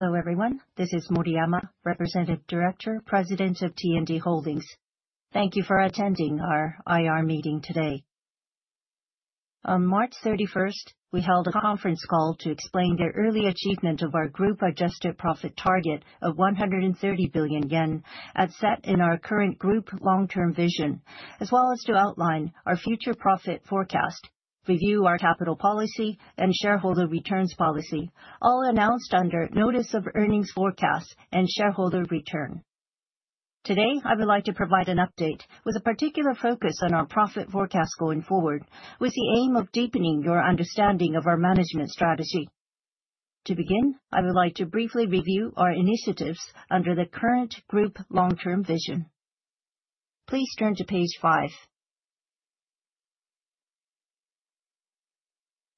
Hello everyone, this is Moriyama, Representative Director, President of T&D Holdings. Thank you for attending our IR meeting today. On March 31, we held a conference call to explain the early achievement of our Group adjusted profit Target of 130 billion yen as set in our current Group Long-Term Vision, as well as to outline our future profit forecast, review our capital policy, and shareholder returns policy, all announced under Notice of Earnings Forecast and Shareholder Return. Today, I would like to provide an update with a particular focus on our profit forecast going forward, with the aim of deepening your understanding of our management strategy. To begin, I would like to briefly review our initiatives under the current Group Long-Term Vision. Please turn to page 5.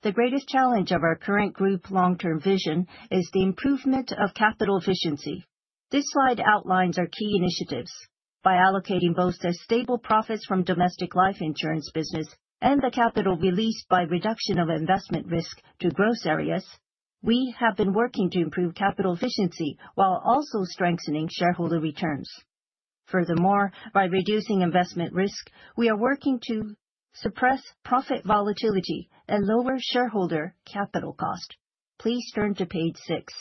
The greatest challenge of our current Group Long-Term Vision is the improvement of capital efficiency. This slide outlines our key initiatives. By allocating both the stable profits from the domestic life insurance business and the capital released by reduction of investment risk to gross areas, we have been working to improve capital efficiency while also strengthening shareholder returns. Furthermore, by reducing investment risk, we are working to suppress profit volatility and lower shareholder capital cost. Please turn to page 6.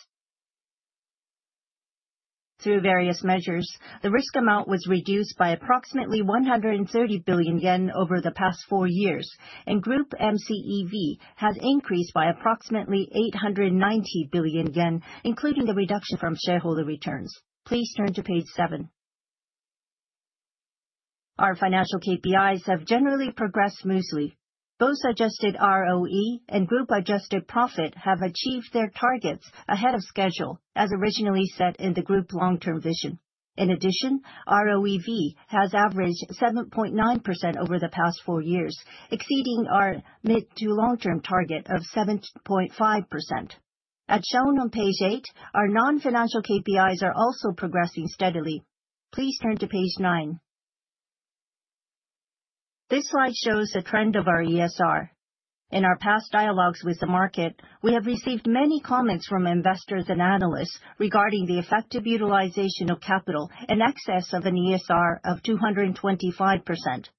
Through various measures, the risk amount was reduced by approximately 130 billion yen over the past four years, and Group MCEV had increased by approximately 890 billion yen, including the reduction from shareholder returns. Please turn to page 7. Our financial KPIs have generally progressed smoothly. Both Adjusted ROE and Group adjusted profit have achieved their targets ahead of schedule, as originally set in the Group Long-Term Vision. In addition, ROEV has averaged 7.9% over the past four years, exceeding our mid to long-term target of 7.5%. As shown on page 8, our non-financial KPIs are also progressing steadily. Please turn to page 9. This slide shows the trend of our ESR. In our past dialogues with the market, we have received many comments from investors and analysts regarding the effective utilization of capital and excess of an ESR of 225%.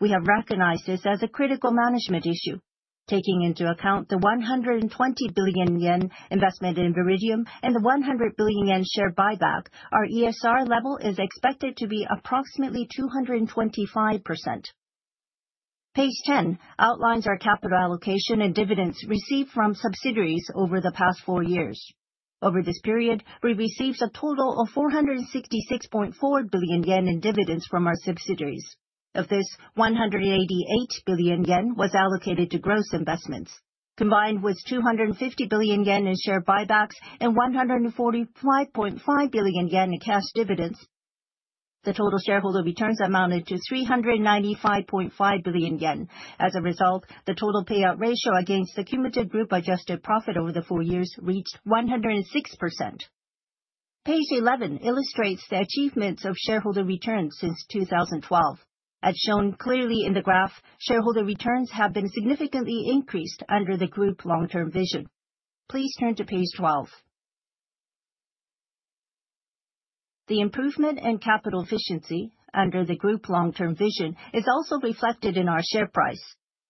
We have recognized this as a critical management issue. Taking into account the 120 billion yen investment in Viridium and the 100 billion yen share buyback, our ESR level is expected to be approximately 225%. Page 10 outlines our capital allocation and dividends received from subsidiaries over the past four years. Over this period, we received a total of 466.4 billion yen in dividends from our subsidiaries. Of this, 188 billion yen was allocated to gross investments. Combined with 250 billion yen in share buybacks and 145.5 billion yen in cash dividends, the total shareholder returns amounted to 395.5 billion yen. As a result, the total payout ratio against the cumulative Group adjusted profit over the four years reached 106%. Page 11 illustrates the achievements of shareholder returns since 2012. As shown clearly in the graph, shareholder returns have been significantly increased under the Group Long-Term Vision. Please turn to page 12. The improvement in capital efficiency under the Group Long-Term Vision is also reflected in our share price.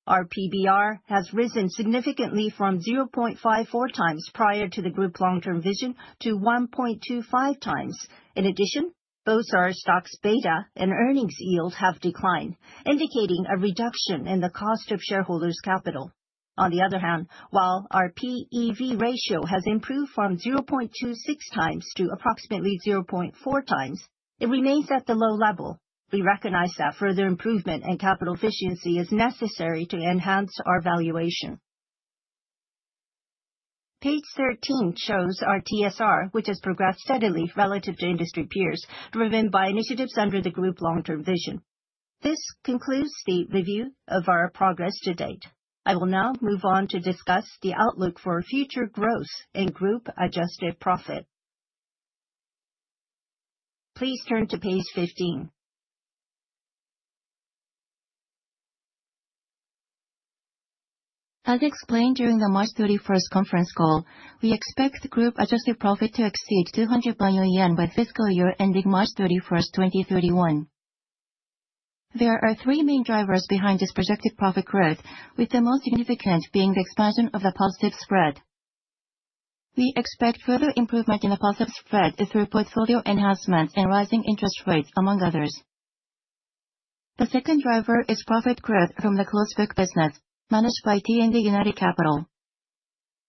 Our PBR has risen significantly from 0.54 times prior to the Group Long-Term Vision to 1.25 times. In addition, both our stock's beta and earnings yield have declined, indicating a reduction in the cost of shareholders' capital. On the other hand, while our PEV ratio has improved from 0.26 times to approximately 0.4 times, it remains at the low level. We recognize that further improvement in capital efficiency is necessary to enhance our valuation. Page 13 shows our TSR, which has progressed steadily relative to industry peers, driven by initiatives under the Group Long-Term Vision. This concludes the review of our progress to date. I will now move on to discuss the outlook for future growth in Group adjusted profit. Please turn to page 15. As explained during the March 31 conference call, we expect Group adjusted profit to exceed 200 billion yen by fiscal year ending March 31, 2031. There are three main drivers behind this projected profit growth, with the most significant being the expansion of the positive spread. We expect further improvement in the positive spread through portfolio enhancements and rising interest rates, among others. The second driver is profit growth from the closed-book business, managed by T&D United Capital.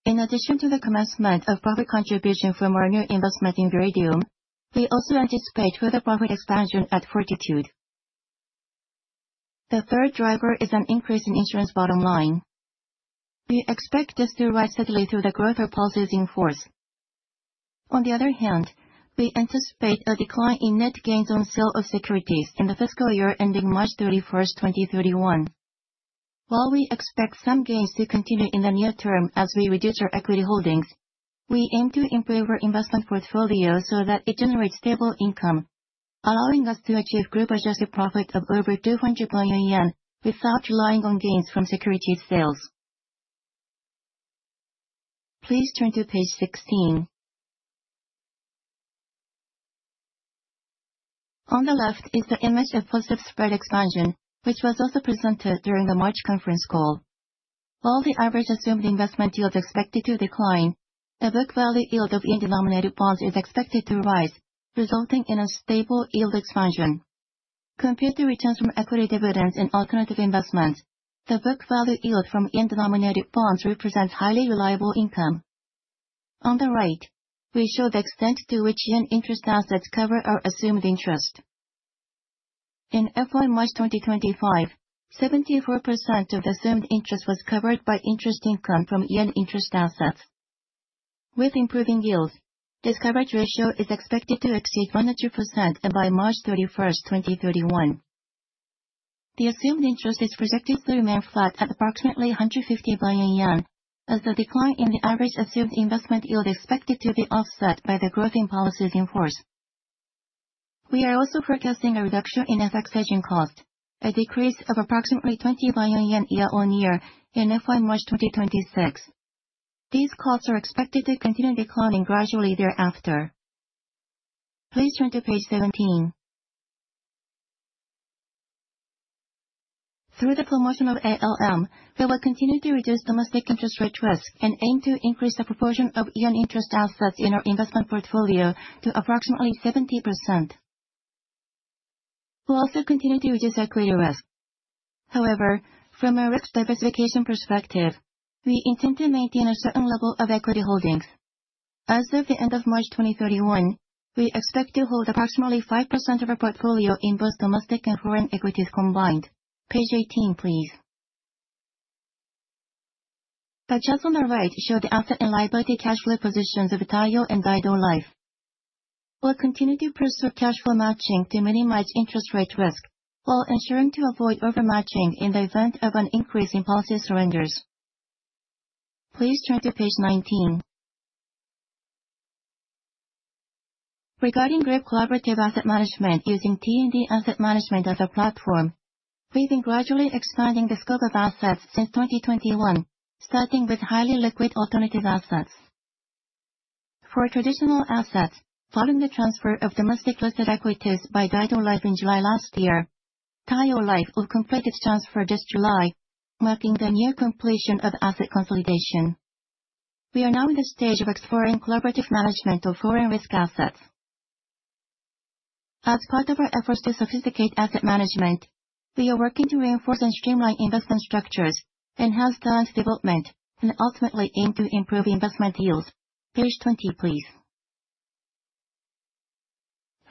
In addition to the commencement of profit contribution from our new investment in Viridium, we also anticipate further profit expansion at Fortitude. The third driver is an increase in insurance bottom line. We expect this to rise steadily through the growth of policies in force. On the other hand, we anticipate a decline in net gains on sale of securities in the fiscal year ending March 31, 2031. While we expect some gains to continue in the near term as we reduce our equity holdings, we aim to improve our investment portfolio so that it generates stable income, allowing us to achieve Group adjusted profit of over 200 billion yen without relying on gains from securities sales. Please turn to page 16. On the left is the image of positive spread expansion, which was also presented during the March conference call. While the average assumed investment yield is expected to decline, the book value yield of yen-denominated bonds is expected to rise, resulting in a stable yield expansion. Compared to returns from equity dividends and alternative investments, the book value yield from yen-denominated bonds represents highly reliable income. On the right, we show the extent to which yen interest assets cover our assumed interest. In FY March 2025, 74% of the assumed interest was covered by interest income from yen interest assets. With improving yields, this coverage ratio is expected to exceed 100% by March 31, 2031. The assumed interest is projected to remain flat at approximately 150 billion yen, as the decline in the average assumed investment yield is expected to be offset by the growth in policies in force. We are also forecasting a reduction in FX hedging cost, a decrease of approximately 20 billion yen year-on-year in FY March 2026. These costs are expected to continue declining gradually thereafter. Please turn to page 17. Through the promotion of ALM, we will continue to reduce domestic interest rate risk and aim to increase the proportion of yen interest assets in our investment portfolio to approximately 70%. We'll also continue to reduce equity risk. However, from a risk diversification perspective, we intend to maintain a certain level of equity holdings. As of the end of March 2031, we expect to hold approximately 5% of our portfolio in both domestic and foreign equities combined. Page 18, please. The charts on the right show the asset and liability cash flow positions of Taiyo Life and Daido Life. We'll continue to pursue cash flow matching to minimize interest rate risk, while ensuring to avoid overmatching in the event of an increase in policy surrenders. Please turn to page 19. Regarding Group collaborative asset management using T&D Asset Management as our platform, we have been gradually expanding the scope of assets since 2021, starting with highly liquid alternative assets. For traditional assets, following the transfer of domestic listed equities by Daido Life in July last year, Taiyo Life will complete its transfer this July, marking the near completion of asset consolidation. We are now in the stage of exploring collaborative management of foreign risk assets. As part of our efforts to sophisticate asset management, we are working to reinforce and streamline investment structures, enhance talent development, and ultimately aim to improve investment yields. Page 20, please.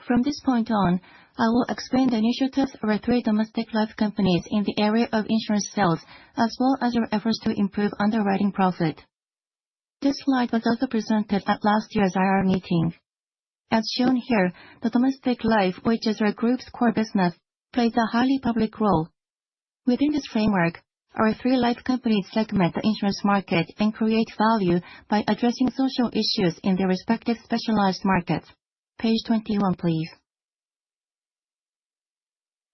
From this point on, I will explain the initiatives of our three domestic life companies in the area of insurance sales, as well as our efforts to improve underwriting profit. This slide was also presented at last year's IR meeting. As shown here, the domestic life, which is our group's core business, plays a highly public role. Within this framework, our three life companies segment the insurance market and create value by addressing social issues in their respective specialized markets. Page 21, please.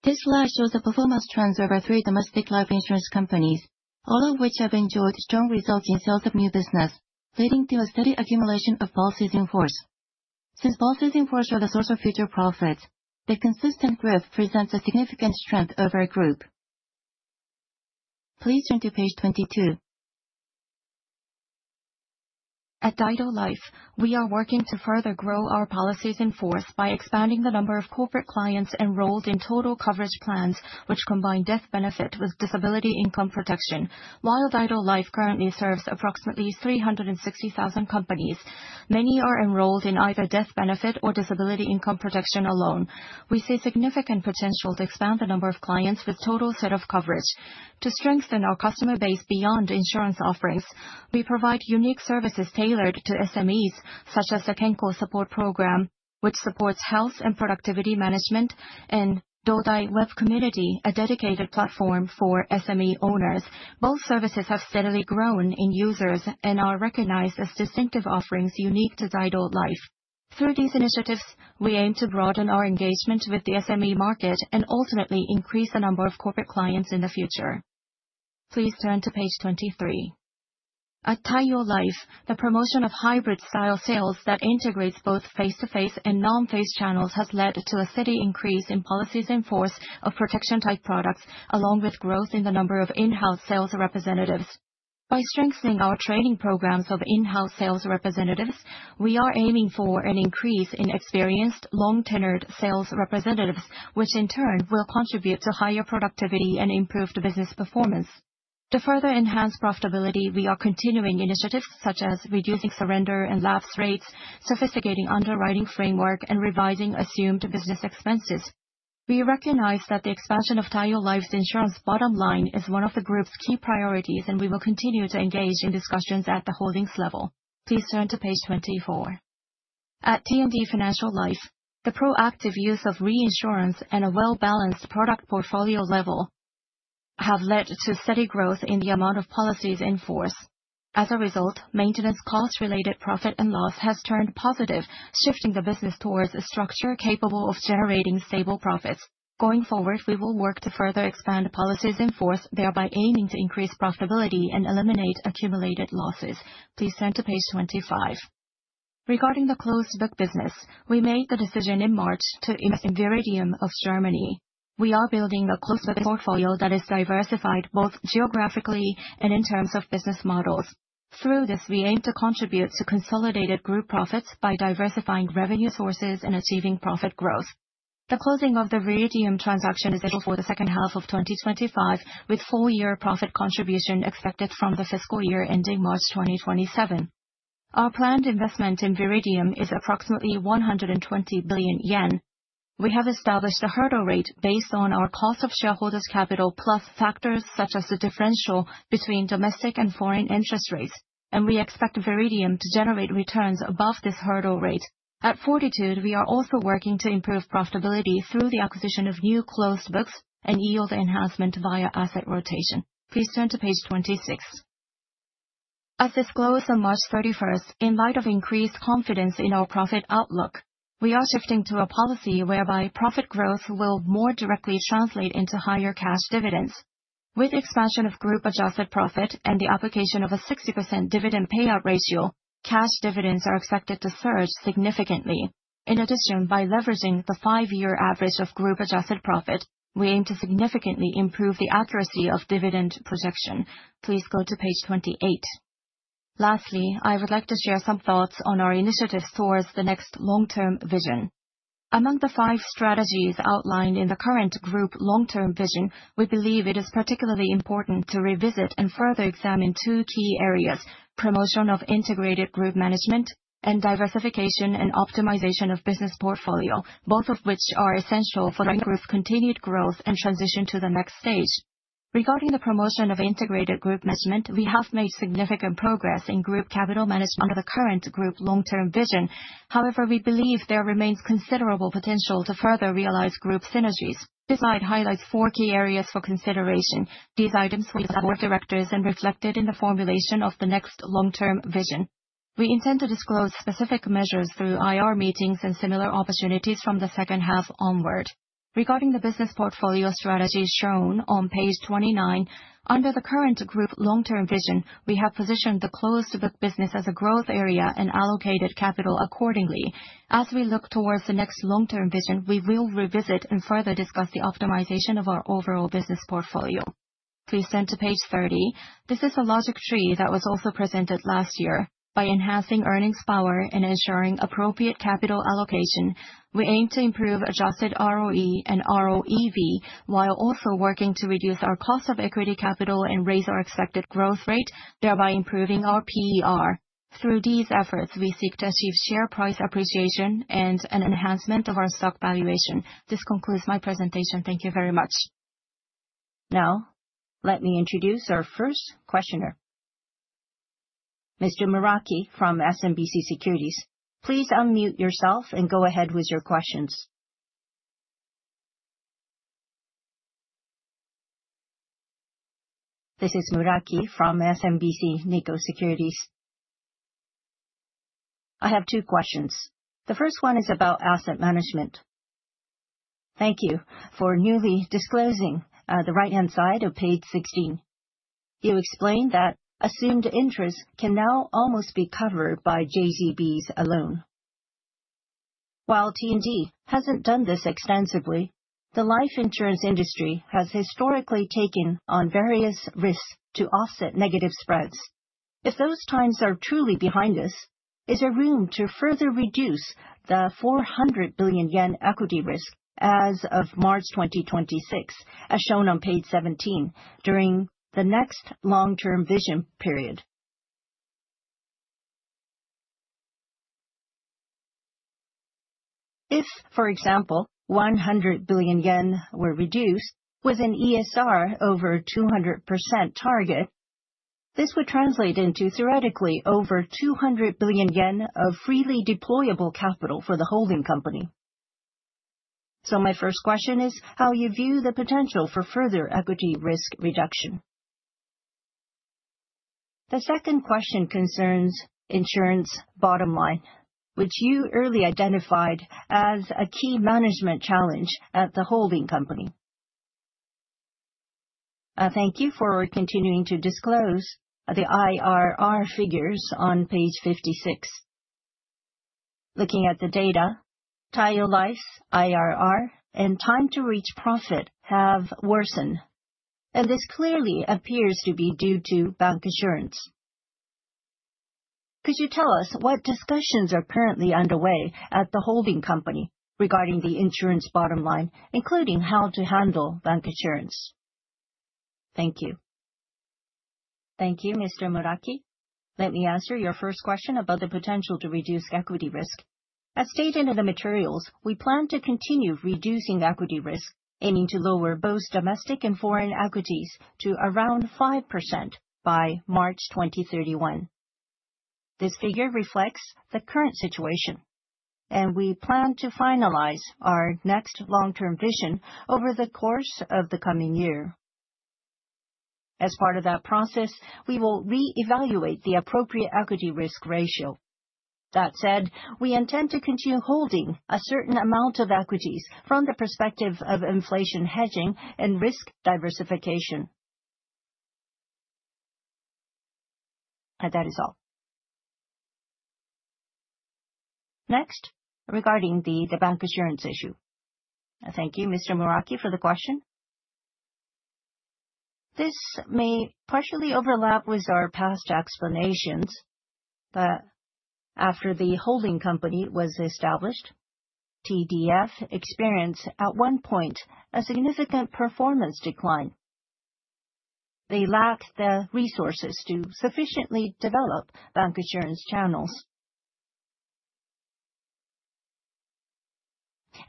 This slide shows the performance trends of our three domestic life insurance companies, all of which have enjoyed strong results in sales of new business, leading to a steady accumulation of policies in force. Since policies in force are the source of future profits, the consistent growth presents a significant strength of our group. Please turn to page 22. At Daido Life, we are working to further grow our policies in force by expanding the number of corporate clients enrolled in total coverage plans, which combine death benefit with disability income protection. While Daido Life currently serves approximately 360,000 companies, many are enrolled in either death benefit or disability income protection alone. We see significant potential to expand the number of clients with total set of coverage. To strengthen our customer base beyond insurance offerings, we provide unique services tailored to SMEs, such as the KENCO SUPPORT PROGRAM, which supports health and productivity management, and Dodai Web Community, a dedicated platform for SME owners. Both services have steadily grown in users and are recognized as distinctive offerings unique to Daido Life. Through these initiatives, we aim to broaden our engagement with the SME market and ultimately increase the number of corporate clients in the future. Please turn to page 23. At Taiyo Life, the promotion of hybrid-style sales that integrates both face-to-face and non-face channels has led to a steady increase in policies in force of protection-type products, along with growth in the number of in-house sales representatives. By strengthening our training programs of in-house sales representatives, we are aiming for an increase in experienced, long-tenured sales representatives, which in turn will contribute to higher productivity and improved business performance. To further enhance profitability, we are continuing initiatives such as reducing surrender and lapse rates, sophisticating underwriting framework, and revising assumed business expenses. We recognize that the expansion of Taiyo Life's insurance bottom line is one of the group's key priorities, and we will continue to engage in discussions at the holdings level. Please turn to page 24. At T&D Financial Life, the proactive use of reinsurance and a well-balanced product portfolio level have led to steady growth in the amount of policies in force. As a result, maintenance cost-related profit and loss has turned positive, shifting the business towards a structure capable of generating stable profits. Going forward, we will work to further expand policies in force, thereby aiming to increase profitability and eliminate accumulated losses. Please turn to page 25. Regarding the closed-book business, we made the decision in March to invest in Viridium of Germany. We are building a closed-book portfolio that is diversified both geographically and in terms of business models. Through this, we aim to contribute to consolidated group profits by diversifying revenue sources and achieving profit growth. The closing of the Viridium transaction is scheduled for the second half of 2025, with full-year profit contribution expected from the fiscal year ending March 2027. Our planned investment in Viridium is approximately 120 billion yen. We have established a hurdle rate based on our cost of shareholders' capital plus factors such as the differential between domestic and foreign interest rates, and we expect Viridium to generate returns above this hurdle rate. At Fortitude, we are also working to improve profitability through the acquisition of new closed books and yield enhancement via asset rotation. Please turn to page 26. As this closes on March 31, in light of increased confidence in our profit outlook, we are shifting to a policy whereby profit growth will more directly translate into higher cash dividends. With the expansion of Group adjusted profit and the application of a 60% dividend payout ratio, cash dividends are expected to surge significantly. In addition, by leveraging the five-year average of Group adjusted profit, we aim to significantly improve the accuracy of dividend projection. Please go to page 28. Lastly, I would like to share some thoughts on our initiative towards the next long-term vision. Among the five strategies outlined in the current Group Long-Term Vision, we believe it is particularly important to revisit and further examine two key areas: promotion of integrated group management and diversification and optimization of business portfolio, both of which are essential for the group's continued growth and transition to the next stage. Regarding the promotion of integrated group management, we have made significant progress in group capital management under the current Group Long-Term Vision. However, we believe there remains considerable potential to further realize group synergies. This slide highlights four key areas for consideration. These items will be discussed by board directors and reflected in the formulation of the next long-term vision. We intend to disclose specific measures through IR meetings and similar opportunities from the second half onward. Regarding the business portfolio strategy shown on page 29, under the current Group Long-Term Vision, we have positioned the closed-book business as a growth area and allocated capital accordingly. As we look towards the next long-term vision, we will revisit and further discuss the optimization of our overall business portfolio. Please turn to page 30. This is a logic tree that was also presented last year. By enhancing earnings power and ensuring appropriate capital allocation, we aim to improve adjusted ROE and ROEV while also working to reduce our cost of equity capital and raise our expected growth rate, thereby improving our PER. Through these efforts, we seek to achieve share price appreciation and an enhancement of our stock valuation. This concludes my presentation. Thank you very much. Now, let me introduce our first questioner, Mr. Muraki from SMBC Securities. Please unmute yourself and go ahead with your questions. This is Muraki from SMBC Nikko Securities. I have two questions. The first one is about asset management. Thank you for newly disclosing the right-hand side of page 16. You explained that assumed interest can now almost be covered by JGBs alone. While T&D hasn't done this extensively, the life insurance industry has historically taken on various risks to offset negative spreads. If those times are truly behind us, is there room to further reduce the 400 billion yen equity risk as of March 2026, as shown on page 17, during the next long-term vision period? If, for example, 100 billion yen were reduced with an ESR over 200% target, this would translate into theoretically over 200 billion yen of freely deployable capital for the holding company. My first question is how you view the potential for further equity risk reduction. The second question concerns insurance bottom line, which you early identified as a key management challenge at the holding company. Thank you for continuing to disclose the IRR figures on page 56. Looking at the data, Taiyo Life's IRR and time-to-reach profit have worsened, and this clearly appears to be due to bank assurance. Could you tell us what discussions are currently underway at the holding company regarding the insurance bottom line, including how to handle bank assurance? Thank you. Thank you, Mr. Muraki. Let me answer your first question about the potential to reduce equity risk. As stated in the materials, we plan to continue reducing equity risk, aiming to lower both domestic and foreign equities to around 5% by March 2031. This figure reflects the current situation, and we plan to finalize our next long-term vision over the course of the coming year. As part of that process, we will re-evaluate the appropriate equity risk ratio. That said, we intend to continue holding a certain amount of equities from the perspective of inflation hedging and risk diversification. That is all. Next, regarding the bank assurance issue. Thank you, Mr. Muraki, for the question. This may partially overlap with our past explanations, but after the holding company was established, TDF experienced at one point a significant performance decline. They lacked the resources to sufficiently develop bank assurance channels.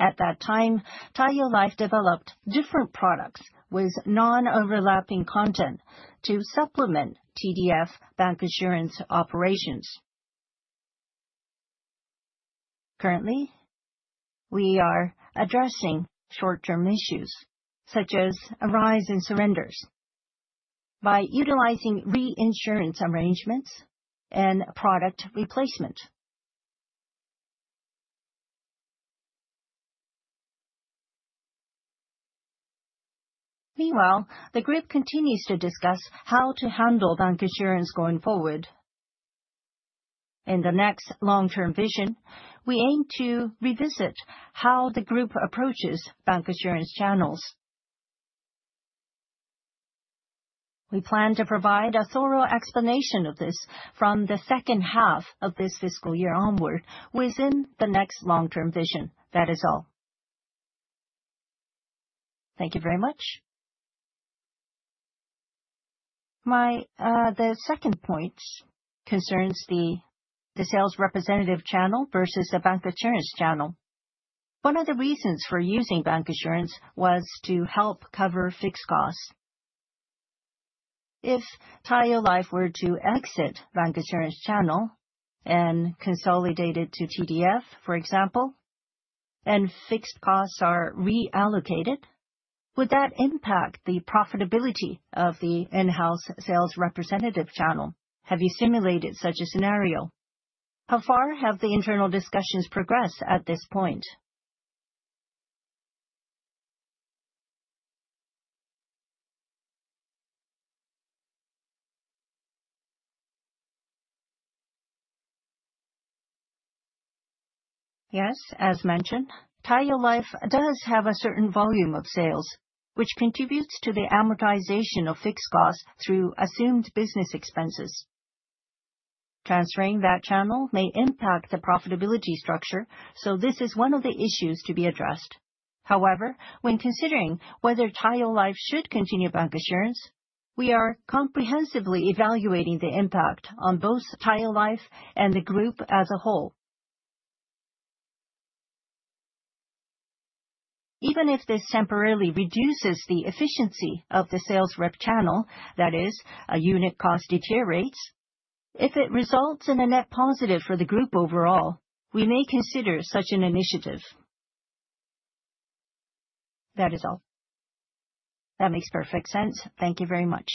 At that time, Taiyo Life developed different products with non-overlapping content to supplement TDF bank assurance operations. Currently, we are addressing short-term issues such as a rise in surrenders by utilizing reinsurance arrangements and product replacement. Meanwhile, the group continues to discuss how to handle bank assurance going forward. In the next long-term vision, we aim to revisit how the group approaches bank assurance channels. We plan to provide a thorough explanation of this from the second half of this fiscal year onward within the next long-term vision. That is all. Thank you very much. The second point concerns the sales representative channel versus the bank assurance channel. One of the reasons for using bank assurance was to help cover fixed costs. If Taiyo Life were to exit bank assurance channel and consolidate it to TDF, for example, and fixed costs are reallocated, would that impact the profitability of the in-house sales representative channel? Have you simulated such a scenario? How far have the internal discussions progressed at this point? Yes, as mentioned, Taiyo Life does have a certain volume of sales, which contributes to the amortization of fixed costs through assumed business expenses. Transferring that channel may impact the profitability structure, so this is one of the issues to be addressed. However, when considering whether Taiyo Life should continue bank assurance, we are comprehensively evaluating the impact on both Taiyo Life and the group as a whole. Even if this temporarily reduces the efficiency of the sales rep channel, that is, unit cost deteriorates, if it results in a net positive for the group overall, we may consider such an initiative. That is all. That makes perfect sense. Thank you very much.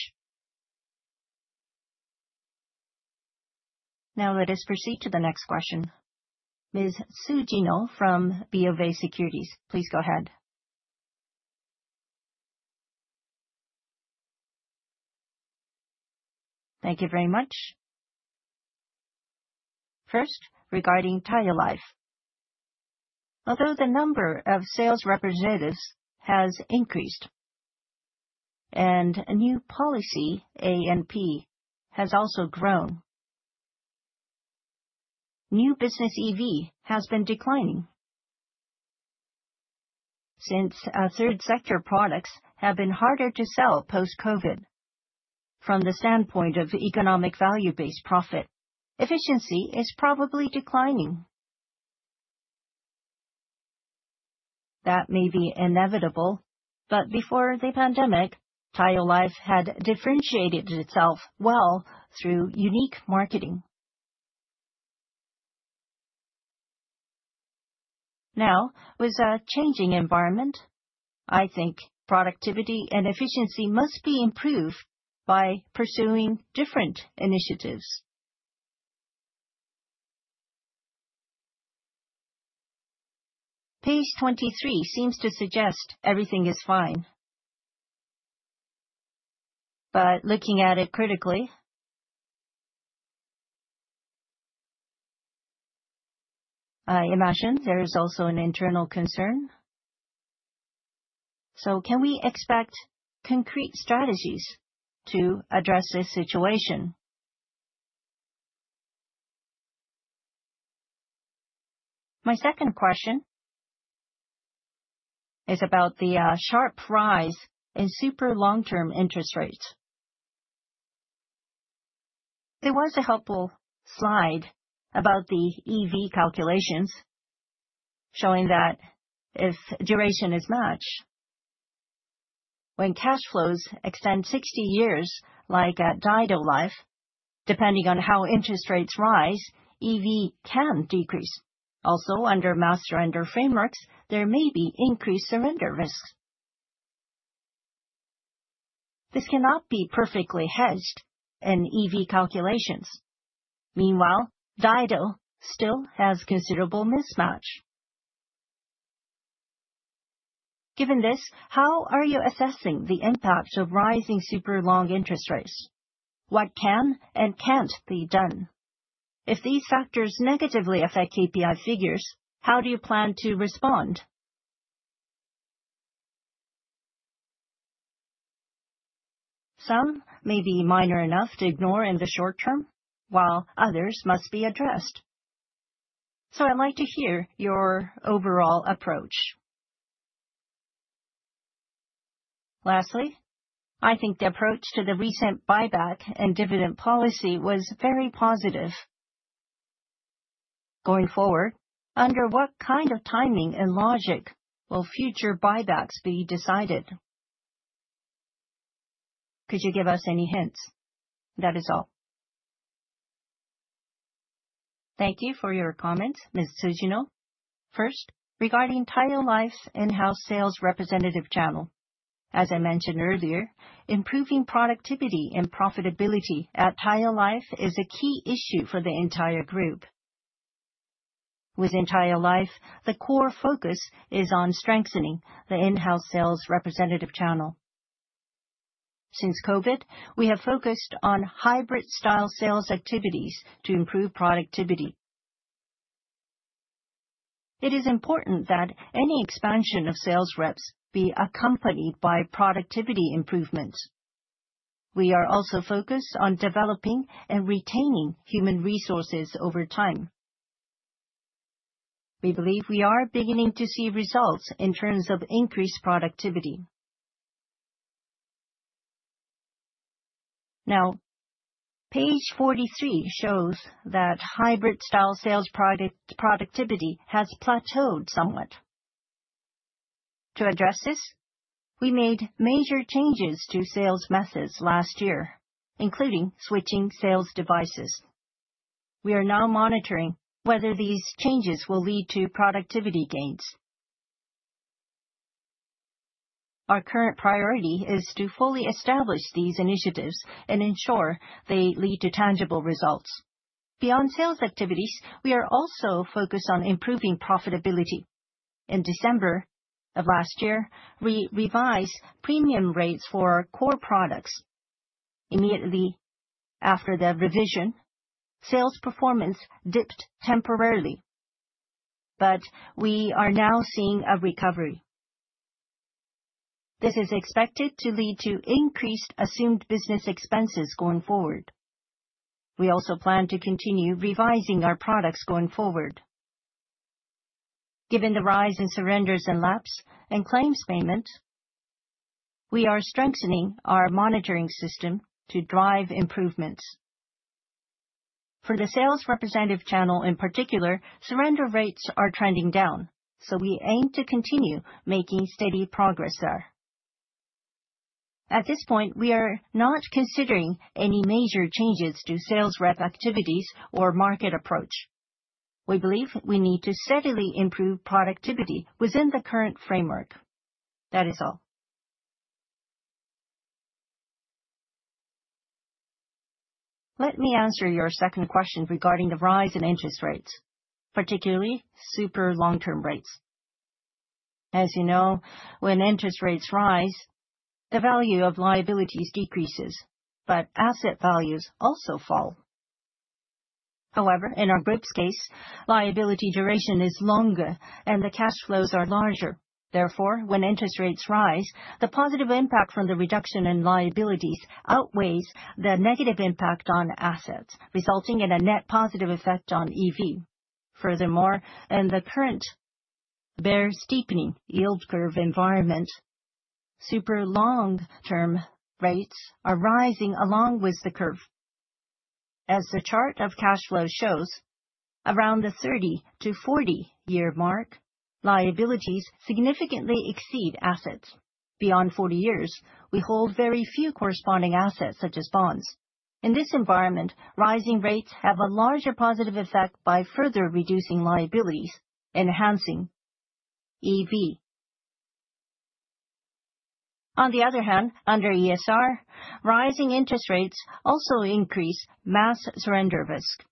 Now, let us proceed to the next question. Ms. Sujinol from BOV Securities, please go ahead. Thank you very much. First, regarding Taiyo Life. Although the number of sales representatives has increased and a new policy, A&P, has also grown, new business EV has been declining. Since third-sector products have been harder to sell post-COVID, from the standpoint of economic value-based profit, efficiency is probably declining. That may be inevitable, but before the pandemic, Taiyo Life had differentiated itself well through unique marketing. Now, with a changing environment, I think productivity and efficiency must be improved by pursuing different initiatives. Page 23 seems to suggest everything is fine, but looking at it critically, I imagine there is also an internal concern. Can we expect concrete strategies to address this situation? My second question is about the sharp rise in super long-term interest rates. There was a helpful slide about the EV calculations showing that if duration is matched, when cash flows extend 60 years, like at Taiyo Life, depending on how interest rates rise, EV can decrease. Also, under mass surrender frameworks, there may be increased surrender risks. This cannot be perfectly hedged in EV calculations. Meanwhile, Taiyo still has considerable mismatch. Given this, how are you assessing the impact of rising super long interest rates? What can and can't be done? If these factors negatively affect KPI figures, how do you plan to respond? Some may be minor enough to ignore in the short term, while others must be addressed. I would like to hear your overall approach. Lastly, I think the approach to the recent buyback and dividend policy was very positive. Going forward, under what kind of timing and logic will future buybacks be decided? Could you give us any hints? That is all. Thank you for your comments, Ms. Sujinol. First, regarding Taiyo Life's in-house sales representative channel. As I mentioned earlier, improving productivity and profitability at Taiyo Life is a key issue for the entire group. Within Taiyo Life, the core focus is on strengthening the in-house sales representative channel. Since COVID, we have focused on hybrid-style sales activities to improve productivity. It is important that any expansion of sales reps be accompanied by productivity improvements. We are also focused on developing and retaining human resources over time. We believe we are beginning to see results in terms of increased productivity. Now, page 43 shows that hybrid-style sales productivity has plateaued somewhat. To address this, we made major changes to sales methods last year, including switching sales devices. We are now monitoring whether these changes will lead to productivity gains. Our current priority is to fully establish these initiatives and ensure they lead to tangible results. Beyond sales activities, we are also focused on improving profitability. In December of last year, we revised premium rates for core products. Immediately after the revision, sales performance dipped temporarily, but we are now seeing a recovery. This is expected to lead to increased assumed business expenses going forward. We also plan to continue revising our products going forward. Given the rise in surrenders and lapses and claims payments, we are strengthening our monitoring system to drive improvements. For the sales representative channel in particular, surrender rates are trending down, so we aim to continue making steady progress there. At this point, we are not considering any major changes to sales rep activities or market approach. We believe we need to steadily improve productivity within the current framework. That is all. Let me answer your second question regarding the rise in interest rates, particularly super long-term rates. As you know, when interest rates rise, the value of liabilities decreases, but asset values also fall. However, in our group's case, liability duration is longer and the cash flows are larger. Therefore, when interest rates rise, the positive impact from the reduction in liabilities outweighs the negative impact on assets, resulting in a net positive effect on EV. Furthermore, in the current bear steepening yield curve environment, super long-term rates are rising along with the curve. As the chart of cash flow shows, around the 30-40 year mark, liabilities significantly exceed assets. Beyond 40 years, we hold very few corresponding assets such as bonds. In this environment, rising rates have a larger positive effect by further reducing liabilities, enhancing EV. On the other hand, under ESR, rising interest rates also increase mass surrender risk.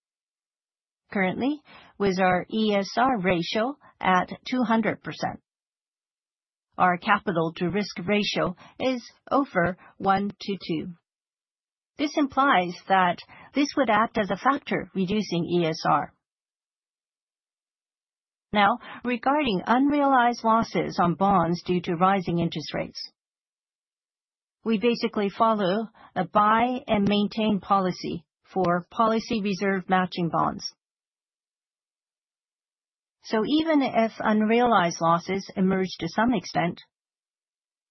Currently, with our ESR ratio at 200%, our capital-to-risk ratio is over 1-2. This implies that this would act as a factor reducing ESR. Now, regarding unrealized losses on bonds due to rising interest rates, we basically follow a buy-and-maintain policy for policy reserve matching bonds. So even if unrealized losses emerge to some extent,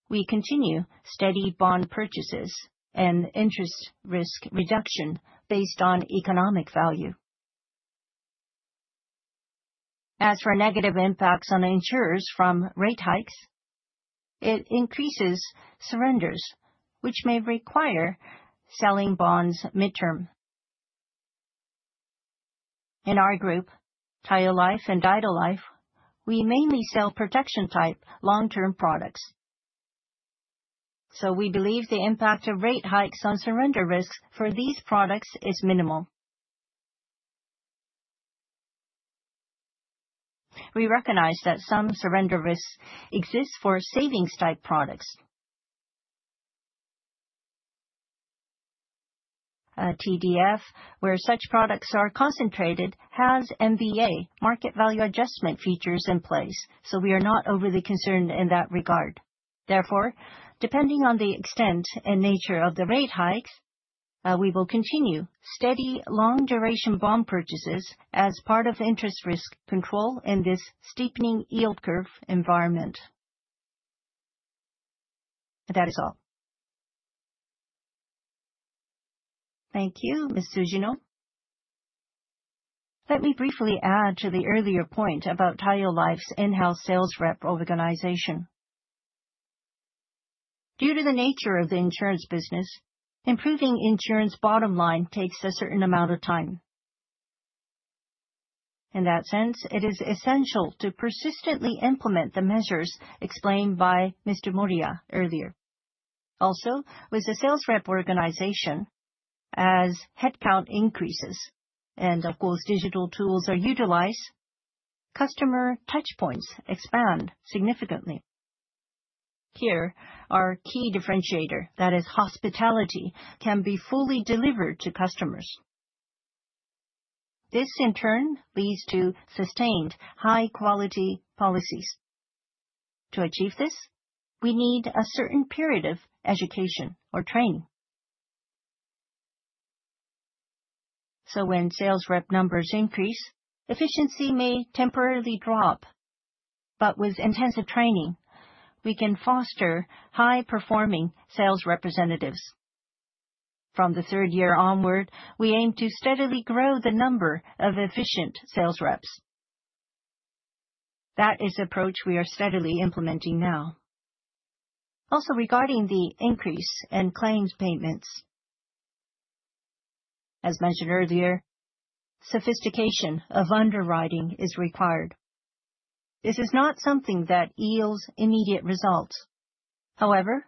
we continue steady bond purchases and interest risk reduction based on economic value. As for negative impacts on insurers from rate hikes, it increases surrenders, which may require selling bonds midterm. In our group, Taiyo Life and Daido Life, we mainly sell protection-type long-term products. We believe the impact of rate hikes on surrender risks for these products is minimal. We recognize that some surrender risks exist for savings-type products. TDF, where such products are concentrated, has MVA, market value adjustment features in place, so we are not overly concerned in that regard. Therefore, depending on the extent and nature of the rate hikes, we will continue steady long-duration bond purchases as part of interest risk control in this steepening yield curve environment. That is all. Thank you, Ms. Sujinol. Let me briefly add to the earlier point about Taiyo Life's in-house sales rep organization. Due to the nature of the insurance business, improving insurance bottom line takes a certain amount of time. In that sense, it is essential to persistently implement the measures explained by Mr. Moriyama earlier. Also, with the sales rep organization, as headcount increases and, of course, digital tools are utilized, customer touchpoints expand significantly. Here, our key differentiator, that is, hospitality, can be fully delivered to customers. This, in turn, leads to sustained high-quality policies. To achieve this, we need a certain period of education or training. When sales rep numbers increase, efficiency may temporarily drop, but with intensive training, we can foster high-performing sales representatives. From the third year onward, we aim to steadily grow the number of efficient sales reps. That is the approach we are steadily implementing now. Also, regarding the increase in claims payments, as mentioned earlier, sophistication of underwriting is required. This is not something that yields immediate results. However,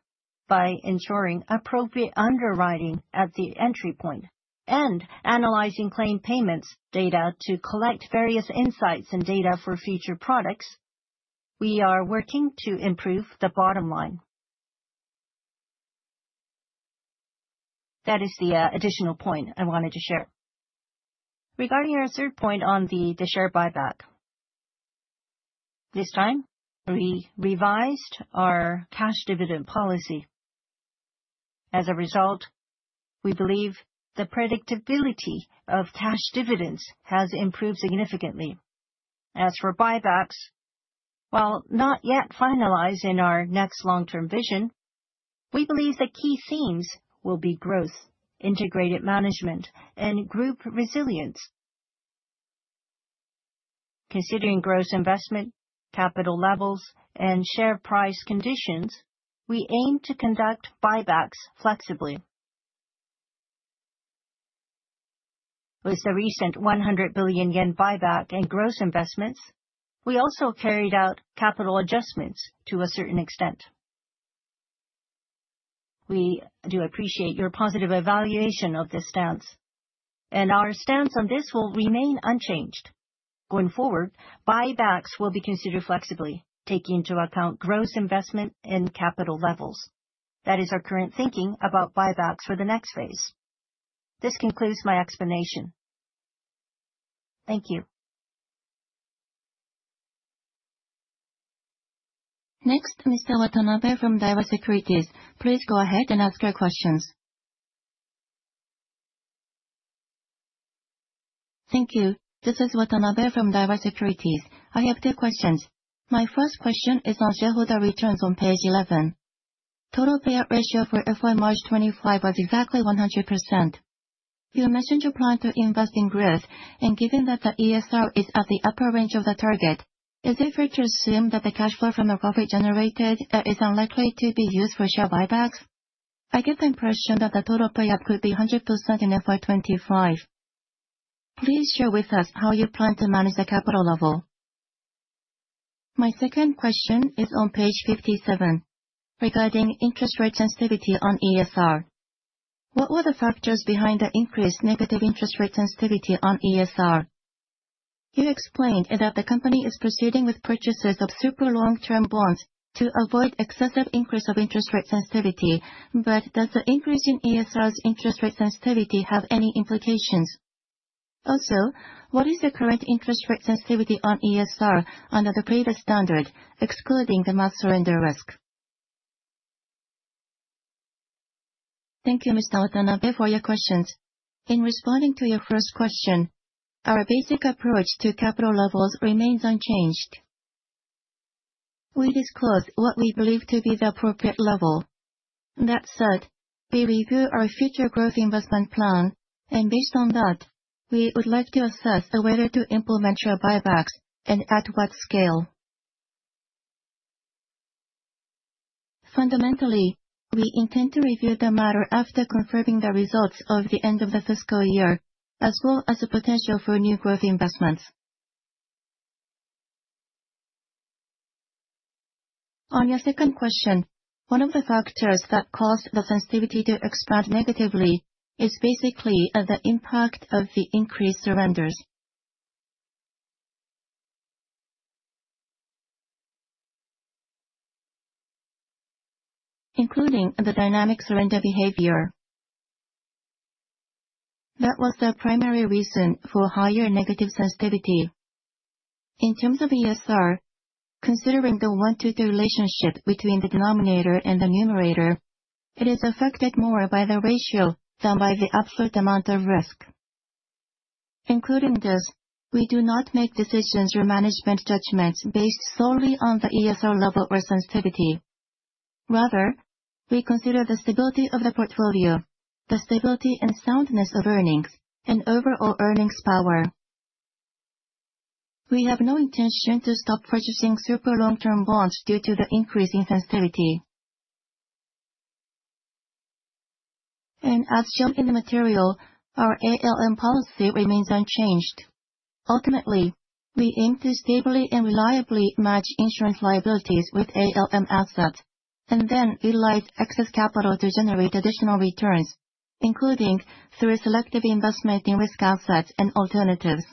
by ensuring appropriate underwriting at the entry point and analyzing claim payments data to collect various insights and data for future products, we are working to improve the bottom line. That is the additional point I wanted to share. Regarding our third point on the share buyback, this time, we revised our cash dividend policy. As a result, we believe the predictability of cash dividends has improved significantly. As for buybacks, while not yet finalized in our next long-term vision, we believe the key themes will be growth, integrated management, and group resilience. Considering gross investment, capital levels, and share price conditions, we aim to conduct buybacks flexibly. With the recent 100 billion yen buyback and gross investments, we also carried out capital adjustments to a certain extent. We do appreciate your positive evaluation of this stance, and our stance on this will remain unchanged. Going forward, buybacks will be considered flexibly, taking into account gross investment and capital levels. That is our current thinking about buybacks for the next phase. This concludes my explanation. Thank you. Next, Mr. Watanabe from Daiwa Securities. Please go ahead and ask your questions. Thank you. This is Watanabe from Daiwa Securities. I have two questions. My first question is on shareholder returns on page 11. Total payout ratio for FY March 2025 was exactly 100%. You mentioned your plan to invest in growth, and given that the ESR is at the upper range of the target, is it fair to assume that the cash flow from the profit generated is unlikely to be used for share buybacks? I get the impression that the total payout could be 100% in FY 2025. Please share with us how you plan to manage the capital level. My second question is on page 57, regarding interest rate sensitivity on ESR. What were the factors behind the increased negative interest rate sensitivity on ESR? You explained that the company is proceeding with purchases of super long-term bonds to avoid excessive increase of interest rate sensitivity, but does the increase in ESR's interest rate sensitivity have any implications? Also, what is the current interest rate sensitivity on ESR under the previous standard, excluding the mass surrender risk? Thank you, Mr. Watanabe, for your questions. In responding to your first question, our basic approach to capital levels remains unchanged. We disclose what we believe to be the appropriate level. That said, we review our future growth investment plan, and based on that, we would like to assess whether to implement share buybacks and at what scale. Fundamentally, we intend to review the matter after confirming the results of the end of the fiscal year, as well as the potential for new growth investments. On your second question, one of the factors that caused the sensitivity to expand negatively is basically the impact of the increased surrenders, including the dynamic surrender behavior. That was the primary reason for higher negative sensitivity. In terms of ESR, considering the one-to-two relationship between the denominator and the numerator, it is affected more by the ratio than by the absolute amount of risk. Including this, we do not make decisions or management judgments based solely on the ESR level or sensitivity. Rather, we consider the stability of the portfolio, the stability and soundness of earnings, and overall earnings power. We have no intention to stop purchasing super long-term bonds due to the increase in sensitivity. As shown in the material, our ALM policy remains unchanged. Ultimately, we aim to stably and reliably match insurance liabilities with ALM assets and then utilize excess capital to generate additional returns, including through selective investment in risk assets and alternatives.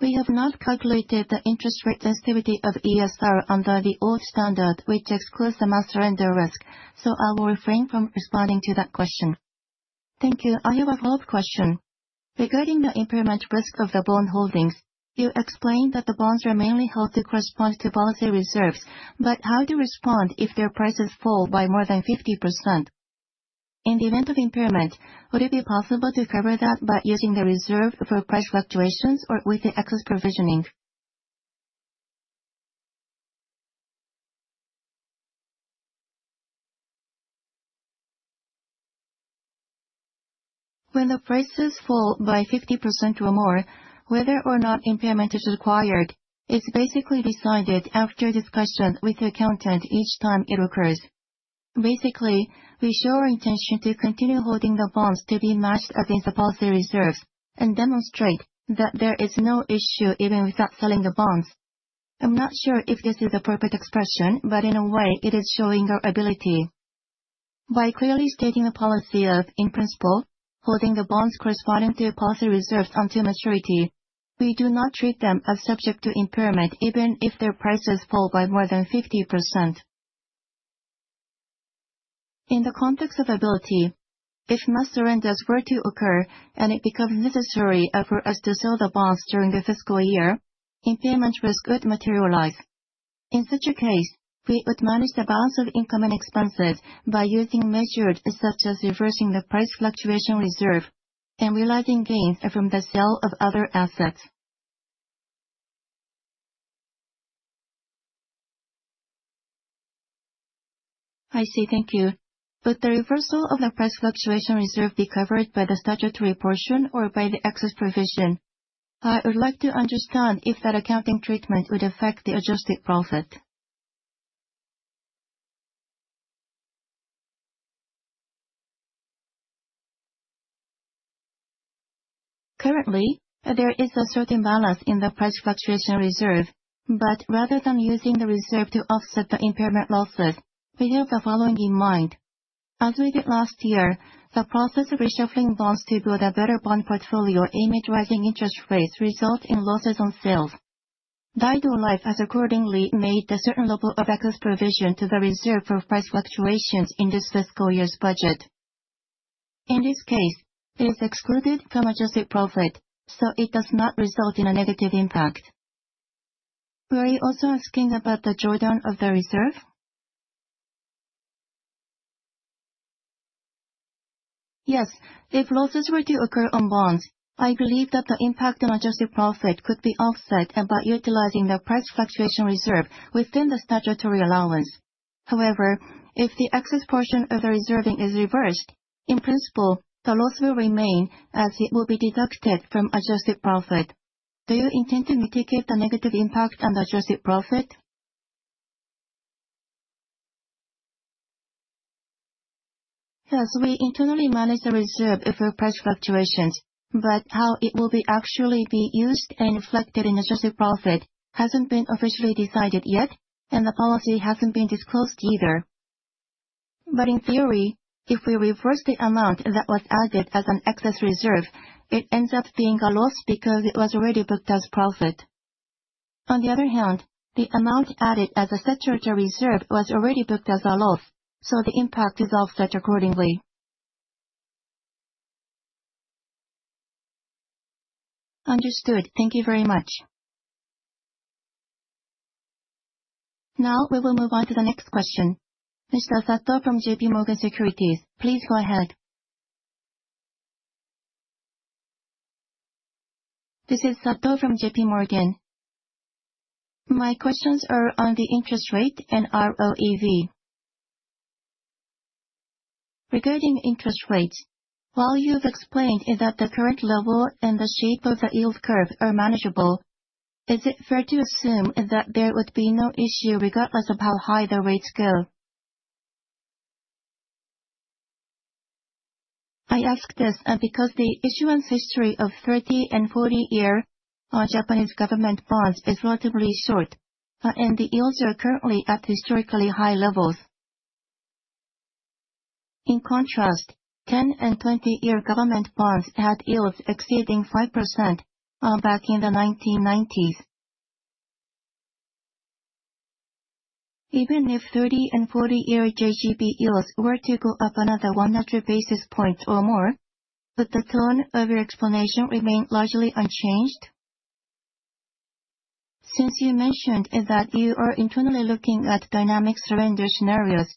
We have not calculated the interest rate sensitivity of ESR under the old standard, which excludes the mass surrender risk, so I will refrain from responding to that question. Thank you. I have a follow-up question. Regarding the impairment risk of the bond holdings, you explained that the bonds are mainly held to correspond to policy reserves, but how to respond if their prices fall by more than 50%? In the event of impairment, would it be possible to cover that by using the reserve for price fluctuations or with the excess provisioning? When the prices fall by 50% or more, whether or not impairment is required is basically decided after discussion with the accountant each time it occurs. Basically, we show our intention to continue holding the bonds to be matched against the policy reserves and demonstrate that there is no issue even without selling the bonds. I'm not sure if this is the appropriate expression, but in a way, it is showing our ability. By clearly stating the policy of, in principle, holding the bonds corresponding to policy reserves until maturity, we do not treat them as subject to impairment even if their prices fall by more than 50%. In the context of ability, if mass surrenders were to occur and it becomes necessary for us to sell the bonds during the fiscal year, impairment risk would materialize. In such a case, we would manage the balance of income and expenses by using measures such as reversing the price fluctuation reserve and realizing gains from the sale of other assets. I see, thank you. Would the reversal of the price fluctuation reserve be covered by the statutory portion or by the excess provision? I would like to understand if that accounting treatment would affect the adjusted profit. Currently, there is a certain balance in the price fluctuation reserve, but rather than using the reserve to offset the impairment losses, we have the following in mind. As we did last year, the process of reshuffling bonds to build a better bond portfolio amid rising interest rates resulted in losses on sales. Daido Life has accordingly made the certain level of excess provision to the reserve for price fluctuations in this fiscal year's budget. In this case, it is excluded from adjusted profit, so it does not result in a negative impact. Were you also asking about the drawdown of the reserve? Yes, if losses were to occur on bonds, I believe that the impact on adjusted profit could be offset by utilizing the price fluctuation reserve within the statutory allowance. However, if the excess portion of the reserving is reversed, in principle, the loss will remain as it will be deducted from adjusted profit. Do you intend to mitigate the negative impact on the adjusted profit? Yes, we internally manage the reserve for price fluctuations, but how it will actually be used and reflected in adjusted profit hasn't been officially decided yet, and the policy hasn't been disclosed either. But in theory, if we reverse the amount that was added as an excess reserve, it ends up being a loss because it was already booked as profit. On the other hand, the amount added as a statutory reserve was already booked as a loss, so the impact is offset accordingly. Understood. Thank you very much. Now we will move on to the next question. Mr. Sato from JPMorgan Securities, please go ahead. This is Sato from JPMorgan. My questions are on the interest rate and ROEV. Regarding interest rates, while you've explained that the current level and the shape of the yield curve are manageable, is it fair to assume that there would be no issue regardless of how high the rates go? I ask this because the issuance history of 30 and 40-year Japanese government bonds is relatively short, and the yields are currently at historically high levels. In contrast, 10 and 20-year government bonds had yields exceeding 5% back in the 1990s. Even if 30 and 40-year JGB yields were to go up another 100 basis points or more, would the tone of your explanation remain largely unchanged? Since you mentioned that you are internally looking at dynamic surrender scenarios,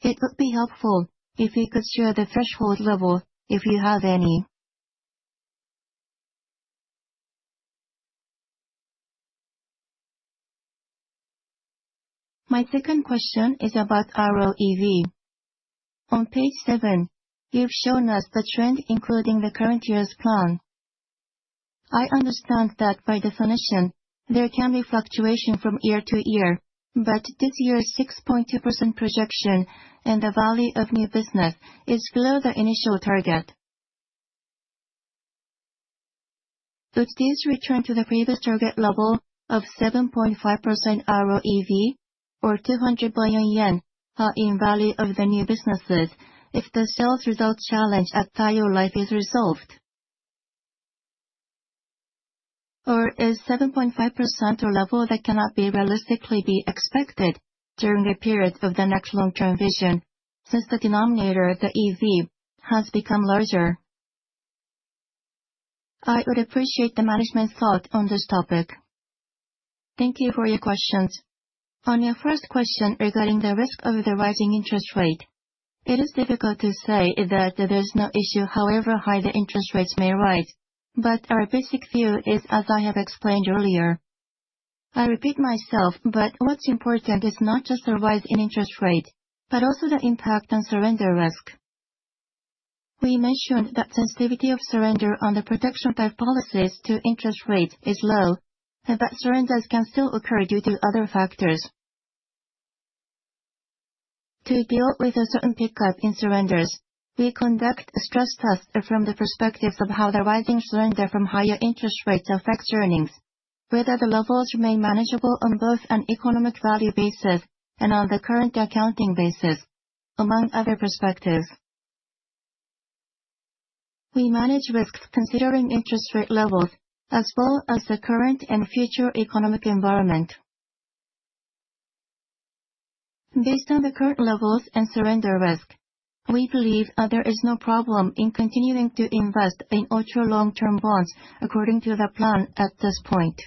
it would be helpful if you could share the threshold level if you have any. My second question is about ROEV. On page 7, you've shown us the trend, including the current year's plan. I understand that by definition, there can be fluctuation from year-to-year, but this year's 6.2% projection and the value of new business is below the initial target. Would this return to the previous target level of 7.5% ROEV, or 200 billion yen in value of the new businesses, if the sales result challenge at Daido Life is resolved? Or is 7.5% a level that cannot realistically be expected during a period of the next long-term vision, since the denominator, the EV, has become larger? I would appreciate the management's thought on this topic. Thank you for your questions. On your first question regarding the risk of the rising interest rate, it is difficult to say that there is no issue however high the interest rates may rise, but our basic view is as I have explained earlier. I repeat myself, but what's important is not just the rise in interest rate, but also the impact on surrender risk. We mentioned that the sensitivity of surrender on the protection type policies to interest rates is low, but surrenders can still occur due to other factors. To deal with a certain pickup in surrenders, we conduct stress tests from the perspectives of how the rising surrender from higher interest rates affects earnings, whether the levels remain manageable on both an economic value basis and on the current accounting basis, among other perspectives. We manage risks considering interest rate levels as well as the current and future economic environment. Based on the current levels and surrender risk, we believe there is no problem in continuing to invest in ultra-long-term bonds according to the plan at this point.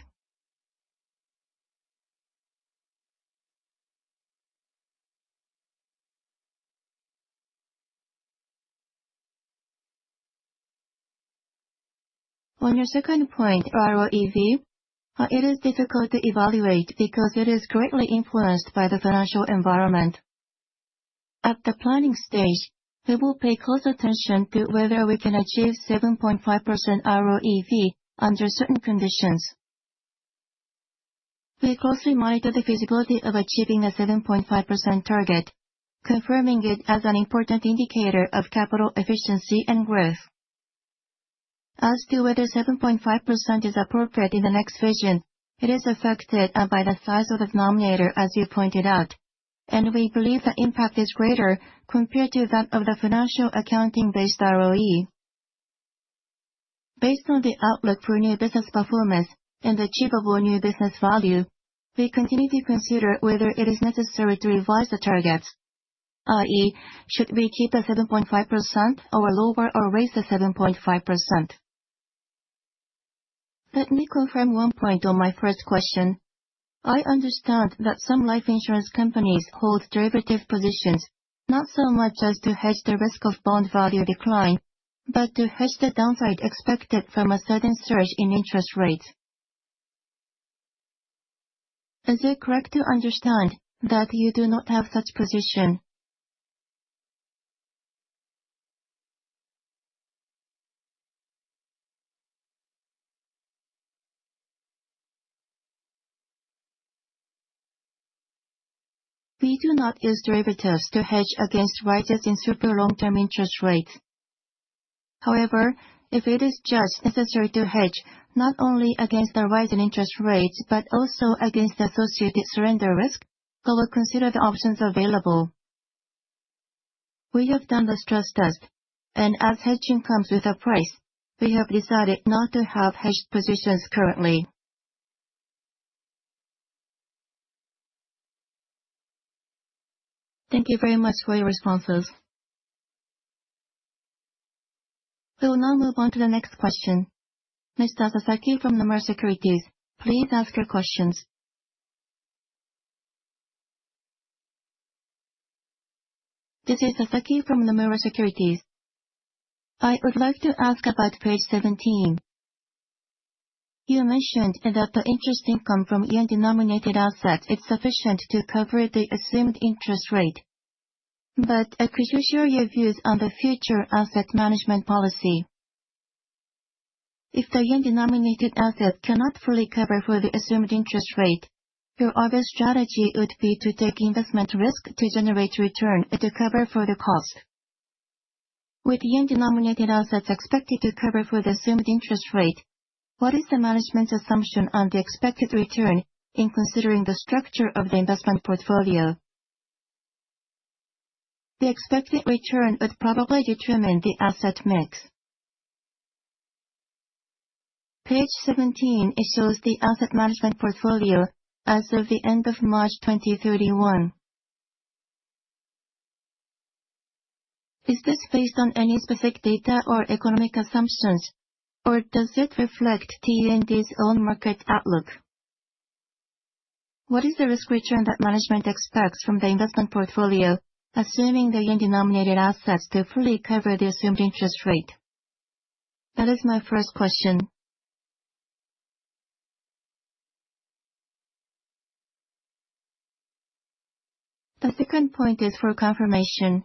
On your second point, ROEV, it is difficult to evaluate because it is greatly influenced by the financial environment. At the planning stage, we will pay close attention to whether we can achieve 7.5% ROEV under certain conditions. We closely monitor the feasibility of achieving the 7.5% target, confirming it as an important indicator of capital efficiency and growth. As to whether 7.5% is appropriate in the next vision, it is affected by the size of the denominator, as you pointed out, and we believe the impact is greater compared to that of the financial accounting-based ROE. Based on the outlook for new business performance and achievable new business value, we continue to consider whether it is necessary to revise the target, i.e., should we keep the 7.5% or lower or raise the 7.5%? Let me confirm one point on my first question. I understand that some life insurance companies hold derivative positions not so much as to hedge the risk of bond value decline, but to hedge the downside expected from a sudden surge in interest rates. Is it correct to understand that you do not have such position? We do not use derivatives to hedge against rises in super long-term interest rates. However, if it is just necessary to hedge not only against the rising interest rates but also against associated surrender risk, I will consider the options available. We have done the stress test, and as hedging comes with a price, we have decided not to have hedged positions currently. Thank you very much for your responses. We will now move on to the next question. Mr. Sasaki from Nomura Securities, please ask your questions. This is Sasaki from Nomura Securities. I would like to ask about page 17. You mentioned that the interest income from your yen-denominated assets is sufficient to cover the assumed interest rate, but could you share your views on the future asset management policy? If the yen-denominated asset cannot fully cover for the assumed interest rate, your obvious strategy would be to take investment risk to generate return to cover for the cost. With yen-denominated assets expected to cover for the assumed interest rate, what is the management's assumption on the expected return in considering the structure of the investment portfolio? The expected return would probably determine the asset mix. Page 17 shows the asset management portfolio as of the end of March 2031. Is this based on any specific data or economic assumptions, or does it reflect T&D's own market outlook? What is the risk return that management expects from the investment portfolio, assuming the yen-denominated assets to fully cover the assumed interest rate? That is my first question. The second point is for confirmation.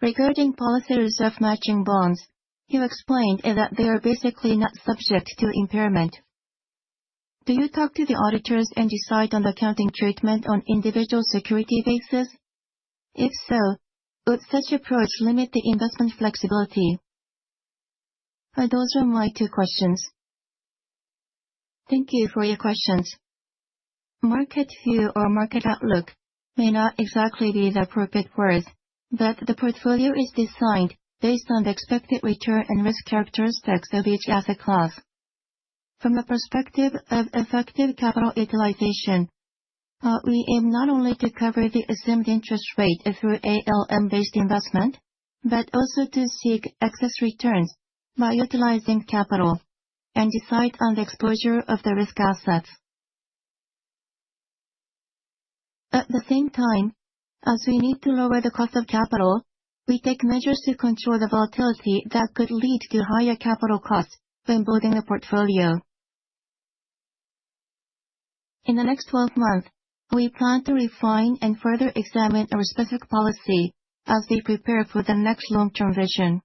Regarding policy reserve matching bonds, you explained that they are basically not subject to impairment. Do you talk to the auditors and decide on the accounting treatment on individual security basis? If so, would such approach limit the investment flexibility? Those are my two questions. Thank you for your questions. Market view or market outlook may not exactly be the appropriate word, but the portfolio is designed based on the expected return and risk characteristics of each asset class. From the perspective of effective capital utilization, we aim not only to cover the assumed interest rate through ALM-based investment, but also to seek excess returns by utilizing capital and decide on the exposure of the risk assets. At the same time, as we need to lower the cost of capital, we take measures to control the volatility that could lead to higher capital costs when building the portfolio. In the next 12 months, we plan to refine and further examine our specific policy as we prepare for the next long-term vision.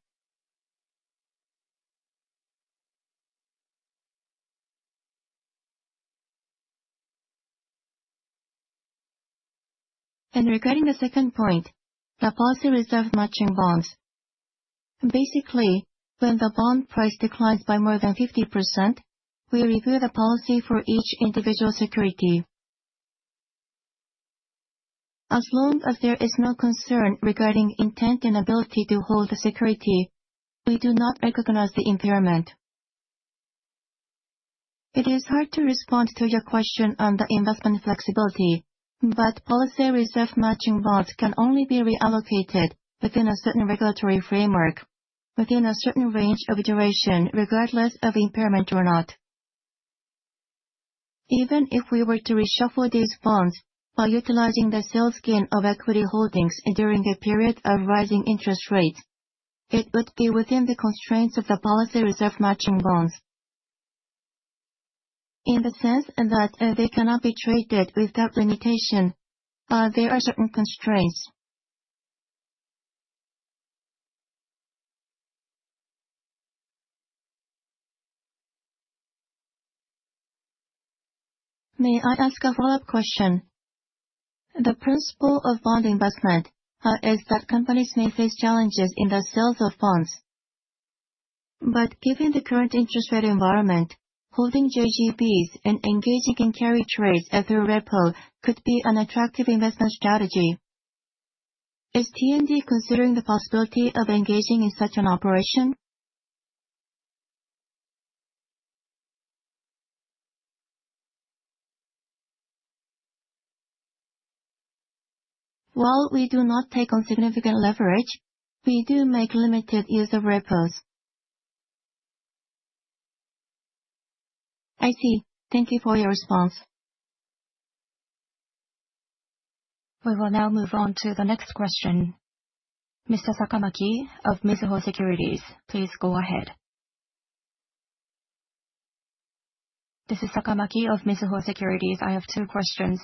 Regarding the second point, the policy reserve matching bonds. Basically, when the bond price declines by more than 50%, we review the policy for each individual security. As long as there is no concern regarding intent and ability to hold the security, we do not recognize the impairment. It is hard to respond to your question on the investment flexibility, but policy reserve matching bonds can only be reallocated within a certain regulatory framework, within a certain range of duration regardless of impairment or not. Even if we were to reshuffle these bonds by utilizing the sales gain of equity holdings during a period of rising interest rates, it would be within the constraints of the policy reserve matching bonds. In the sense that they cannot be traded without limitation, there are certain constraints. May I ask a follow-up question? The principle of bond investment is that companies may face challenges in the sales of bonds. Given the current interest rate environment, holding JGBs and engaging in carry trades through REPL could be an attractive investment strategy. Is T&D considering the possibility of engaging in such an operation? While we do not take on significant leverage, we do make limited use of REPLs. I see. Thank you for your response. We will now move on to the next question. Mr. Sakamaki of Mizuho Securities, please go ahead. This is Sakamaki of Mizuho Securities. I have two questions.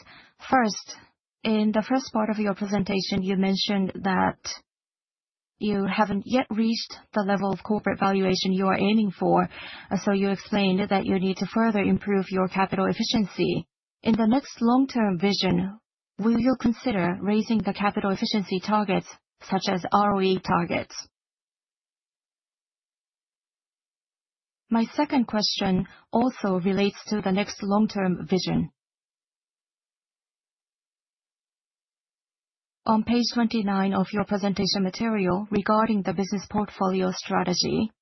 First, in the first part of your presentation, you mentioned that you have not yet reached the level of corporate valuation you are aiming for, so you explained that you need to further improve your capital efficiency. In the next long-term vision, will you consider raising the capital efficiency targets, such as ROE targets? My second question also relates to the next long-term vision. On page 29 of your presentation material regarding the business portfolio strategy,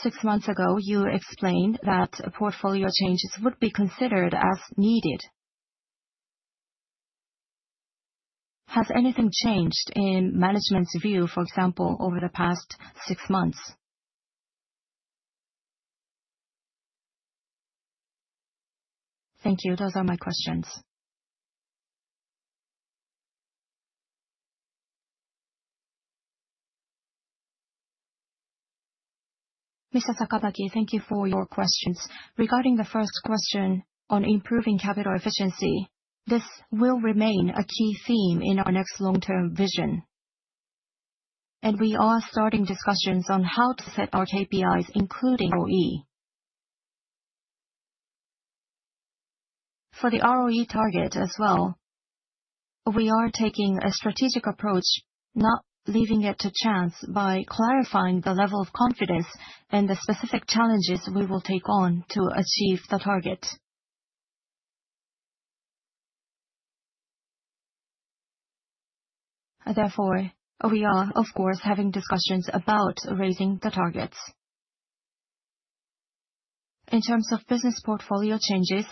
six months ago, you explained that portfolio changes would be considered as needed. Has anything changed in management's view, for example, over the past six months? Thank you. Those are my questions. Mr. Sakamaki, thank you for your questions. Regarding the first question on improving capital efficiency, this will remain a key theme in our next long-term vision. We are starting discussions on how to set our KPIs, including ROE. For the ROE target as well, we are taking a strategic approach, not leaving it to chance by clarifying the level of confidence and the specific challenges we will take on to achieve the target. Therefore, we are, of course, having discussions about raising the targets. In terms of business portfolio changes,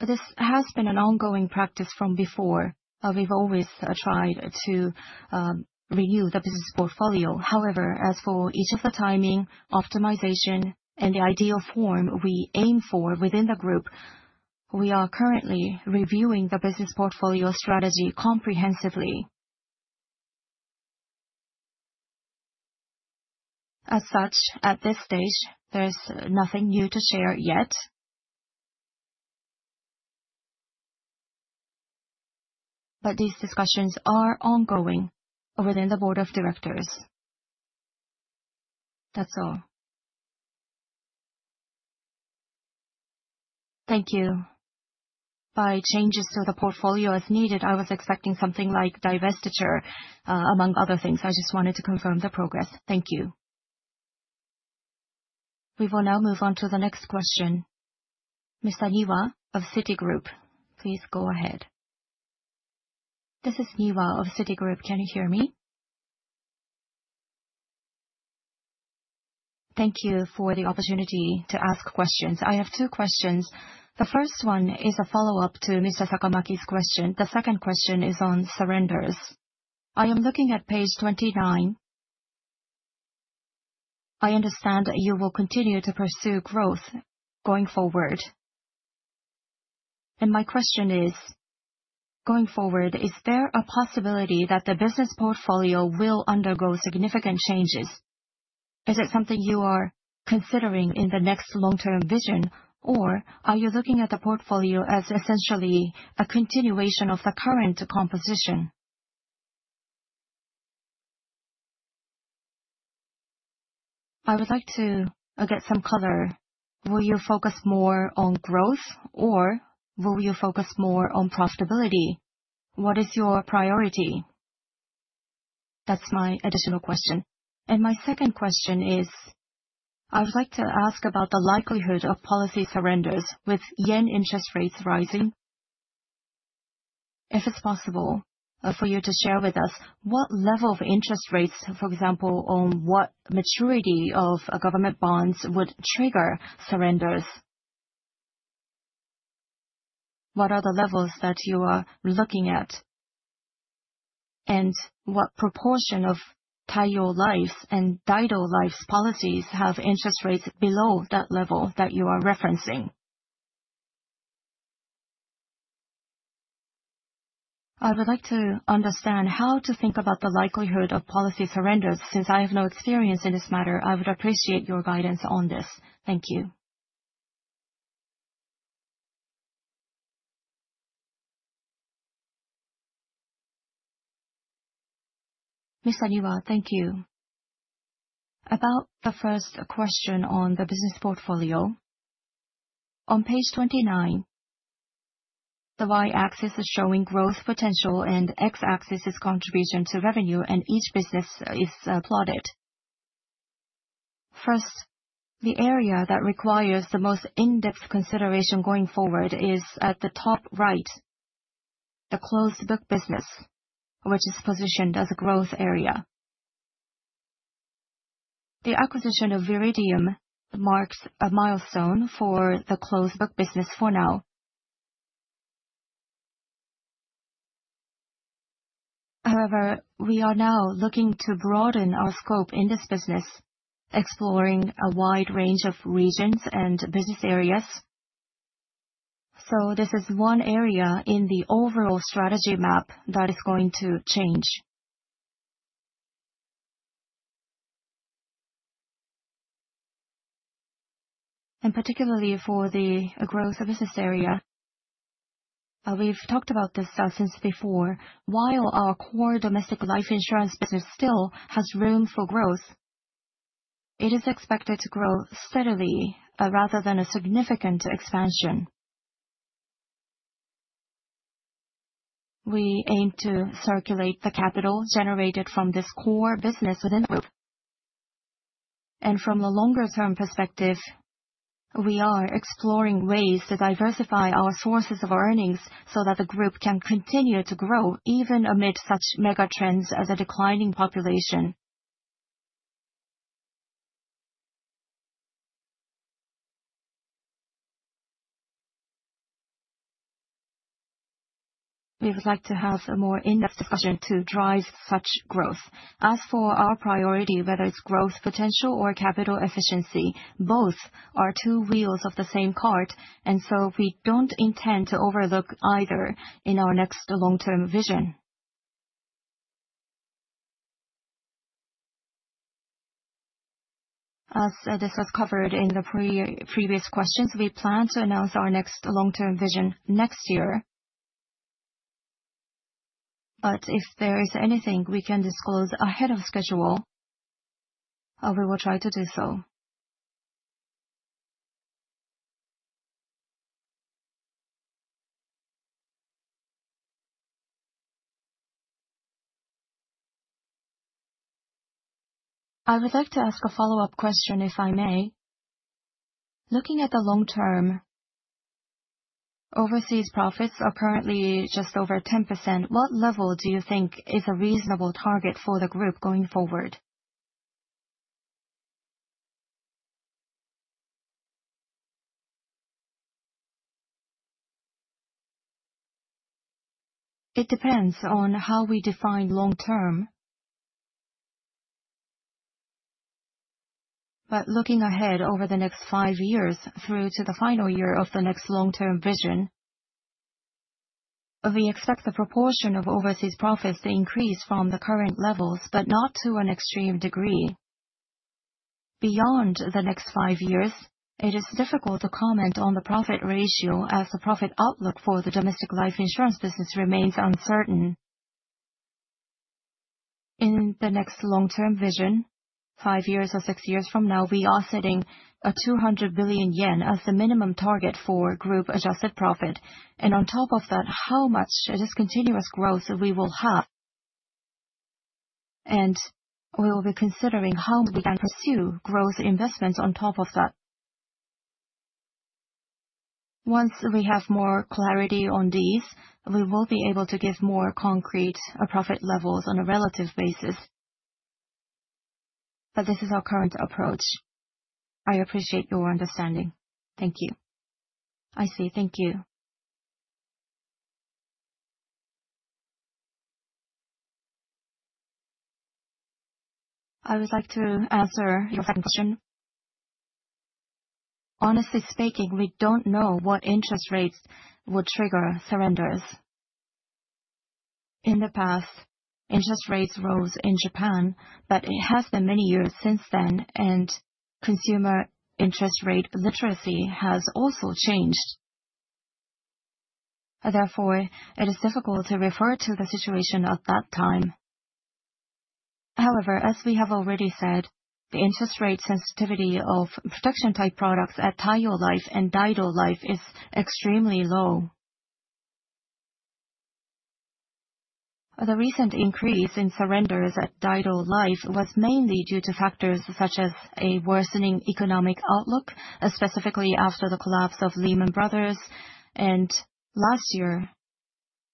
this has been an ongoing practice from before. We have always tried to renew the business portfolio. However, as for each of the timing, optimization, and the ideal form we aim for within the group, we are currently reviewing the business portfolio strategy comprehensively. As such, at this stage, there's nothing new to share yet, but these discussions are ongoing within the board of directors. That's all. Thank you. By changes to the portfolio as needed, I was expecting something like divestiture, among other things. I just wanted to confirm the progress. Thank you. We will now move on to the next question. Mr. Niwa of Citigroup, please go ahead. This is Niwa of Citigroup. Can you hear me? Thank you for the opportunity to ask questions. I have two questions. The first one is a follow-up to Mr. Sakamaki's question. The second question is on surrenders. I am looking at page 29. I understand you will continue to pursue growth going forward. My question is, going forward, is there a possibility that the business portfolio will undergo significant changes? Is it something you are considering in the next long-term vision, or are you looking at the portfolio as essentially a continuation of the current composition? I would like to get some color. Will you focus more on growth, or will you focus more on profitability? What is your priority? That is my additional question. My second question is, I would like to ask about the likelihood of policy surrenders with yen interest rates rising. If it is possible for you to share with us, what level of interest rates, for example, on what maturity of government bonds would trigger surrenders? What are the levels that you are looking at? What proportion of Taiyo Life's and Daido Life's policies have interest rates below that level that you are referencing? I would like to understand how to think about the likelihood of policy surrenders since I have no experience in this matter. I would appreciate your guidance on this. Thank you. Mr. Niwa, thank you. About the first question on the business portfolio, on page 29, the Y-axis is showing growth potential and the X-axis is contribution to revenue, and each business is plotted. First, the area that requires the most in-depth consideration going forward is at the top right, the closed book business, which is positioned as a growth area. The acquisition of Viridium marks a milestone for the closed book business for now. However, we are now looking to broaden our scope in this business, exploring a wide range of regions and business areas. This is one area in the overall strategy map that is going to change. Particularly for the growth of this area, we have talked about this since before. While our core domestic life insurance business still has room for growth, it is expected to grow steadily rather than a significant expansion. We aim to circulate the capital generated from this core business within the group. From the longer-term perspective, we are exploring ways to diversify our sources of earnings so that the group can continue to grow even amid such mega trends as a declining population. We would like to have a more in-depth discussion to drive such growth. As for our priority, whether it is growth potential or capital efficiency, both are two wheels of the same cart, and we do not intend to overlook either in our next long-term vision. As this was covered in the previous questions, we plan to announce our next long-term vision next year. If there is anything we can disclose ahead of schedule, we will try to do so. I would like to ask a follow-up question, if I may. Looking at the long-term, overseas profits are currently just over 10%. What level do you think is a reasonable target for the group going forward? It depends on how we define long-term. Looking ahead over the next five years through to the final year of the next long-term vision, we expect the proportion of overseas profits to increase from the current levels, but not to an extreme degree. Beyond the next five years, it is difficult to comment on the profit ratio as the profit outlook for the domestic life insurance business remains uncertain. In the next long-term vision, five years or six years from now, we are setting 200 billion yen as the minimum target for group-adjusted profit. On top of that, how much discontinuous growth we will have. We will be considering how we can pursue growth investments on top of that. Once we have more clarity on these, we will be able to give more concrete profit levels on a relative basis. This is our current approach. I appreciate your understanding. Thank you. I see. Thank you. I would like to answer your second question. Honestly speaking, we do not know what interest rates would trigger surrenders. In the past, interest rates rose in Japan, but it has been many years since then, and consumer interest rate literacy has also changed. Therefore, it is difficult to refer to the situation at that time. However, as we have already said, the interest rate sensitivity of production-type products at Taiyo Life and Daido Life is extremely low. The recent increase in surrenders at Daido Life was mainly due to factors such as a worsening economic outlook, specifically after the collapse of Lehman Brothers. Last year,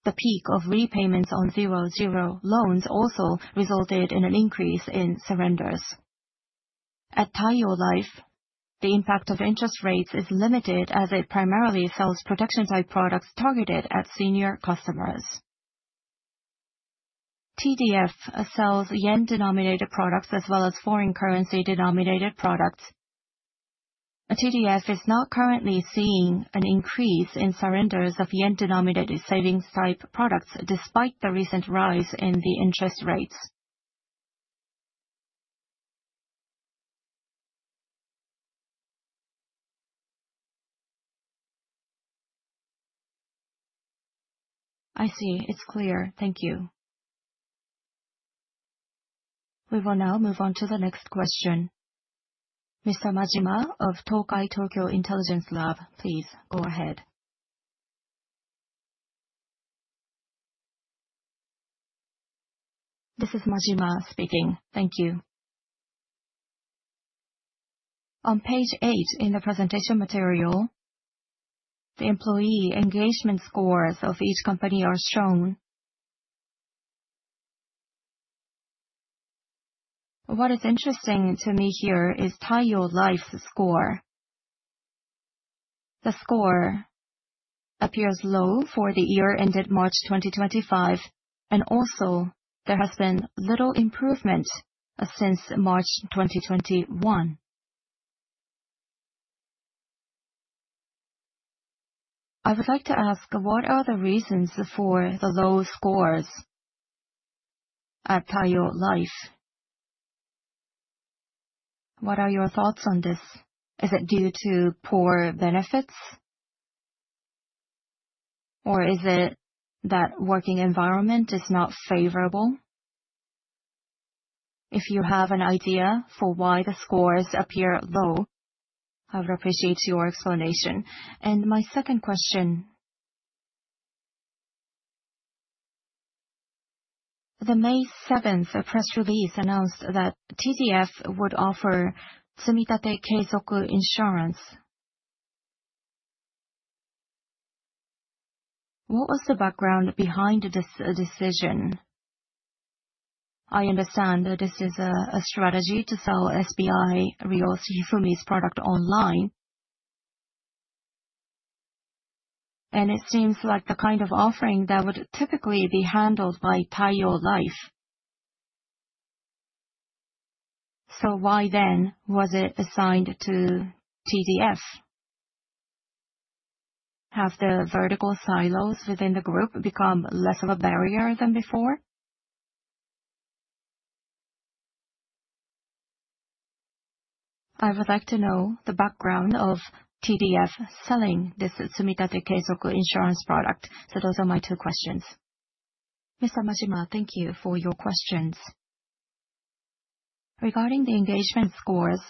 the peak of repayments on zero-zero loans also resulted in an increase in surrenders. At Taiyo Life, the impact of interest rates is limited as it primarily sells protection-type products targeted at senior customers. TDF sells yen-denominated products as well as foreign currency-denominated products. TDF is not currently seeing an increase in surrenders of yen-denominated savings-type products despite the recent rise in the interest rates. I see. It's clear. Thank you. We will now move on to the next question. Mr. Majima of Tokai Tokyo Intelligence Lab, please go ahead. This is Majima speaking. Thank you. On page 8 in the presentation material, the employee engagement scores of each company are shown. What is interesting to me here is Taiyo Life's score. The score appears low for the year ended March 2025, and also there has been little improvement since March 2021. I would like to ask, what are the reasons for the low scores at Taiyo Life? What are your thoughts on this? Is it due to poor benefits, or is it that the working environment is not favorable? If you have an idea for why the scores appear low, I would appreciate your explanation. My second question. The May 7th press release announced that TDF would offer Tsumitate Keizoku Insurance. What was the background behind this decision? I understand this is a strategy to sell SBI Realty' product online. It seems like the kind of offering that would typically be handled by Taiyo Life. Why then was it assigned to TDF? Have the vertical silos within the group become less of a barrier than before? I would like to know the background of TDF selling this Tsumitate Keizoku Insurance product. Those are my two questions. Mr. Majima, thank you for your questions. Regarding the engagement scores,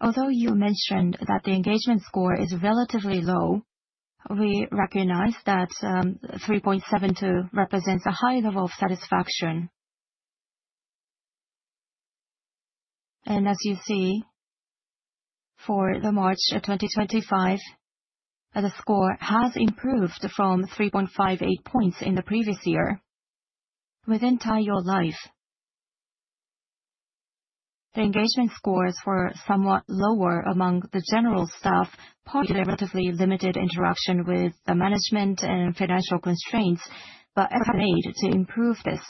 although you mentioned that the engagement score is relatively low, we recognize that 3.72 represents a high level of satisfaction. As you see, for March 2025, the score has improved from 3.58 points in the previous year. Within Taiyo Life, the engagement scores were somewhat lower among the general staff, partly due to relatively limited interaction with the management and financial constraints, but efforts have been made to improve this.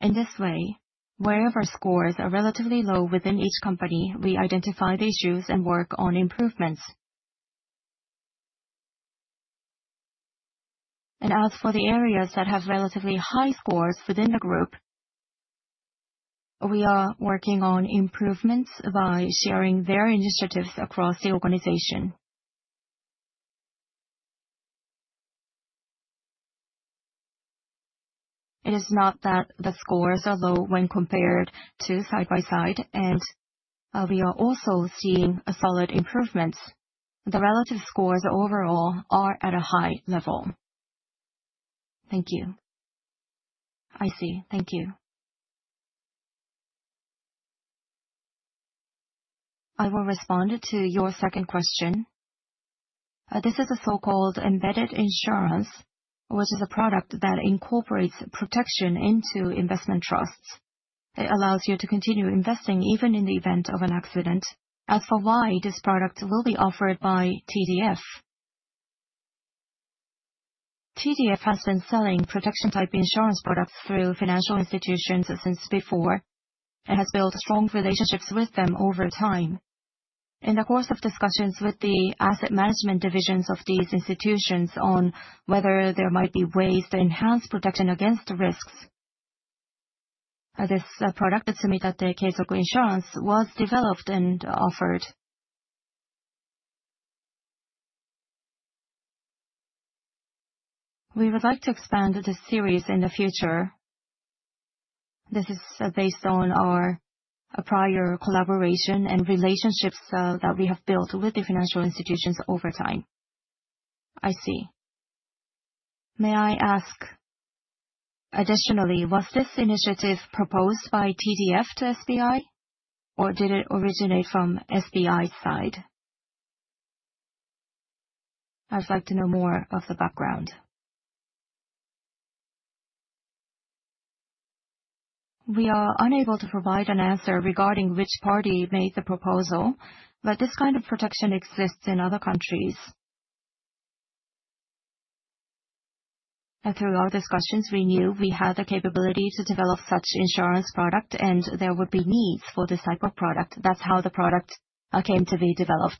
In this way, wherever scores are relatively low within each company, we identify the issues and work on improvements. As for the areas that have relatively high scores within the group, we are working on improvements by sharing their initiatives across the organization. It is not that the scores are low when compared to side by side, and we are also seeing solid improvements. The relative scores overall are at a high level. Thank you. I see. Thank you. I will respond to your second question. This is a so-called embedded insurance, which is a product that incorporates protection into investment trusts. It allows you to continue investing even in the event of an accident. As for why this product will be offered by TDF, TDF has been selling protection-type insurance products through financial institutions since before and has built strong relationships with them over time. In the course of discussions with the asset management divisions of these institutions on whether there might be ways to enhance protection against risks, this product, Tsumitate Keizoku Insurance, was developed and offered. We would like to expand this series in the future. This is based on our prior collaboration and relationships that we have built with the financial institutions over time. I see. May I ask, additionally, was this initiative proposed by TDFto SBI, or did it originate from SBI's side? I would like to know more of the background. We are unable to provide an answer regarding which party made the proposal, but this kind of protection exists in other countries. Through our discussions, we knew we had the capability to develop such insurance product, and there would be needs for this type of product. That's how the product came to be developed.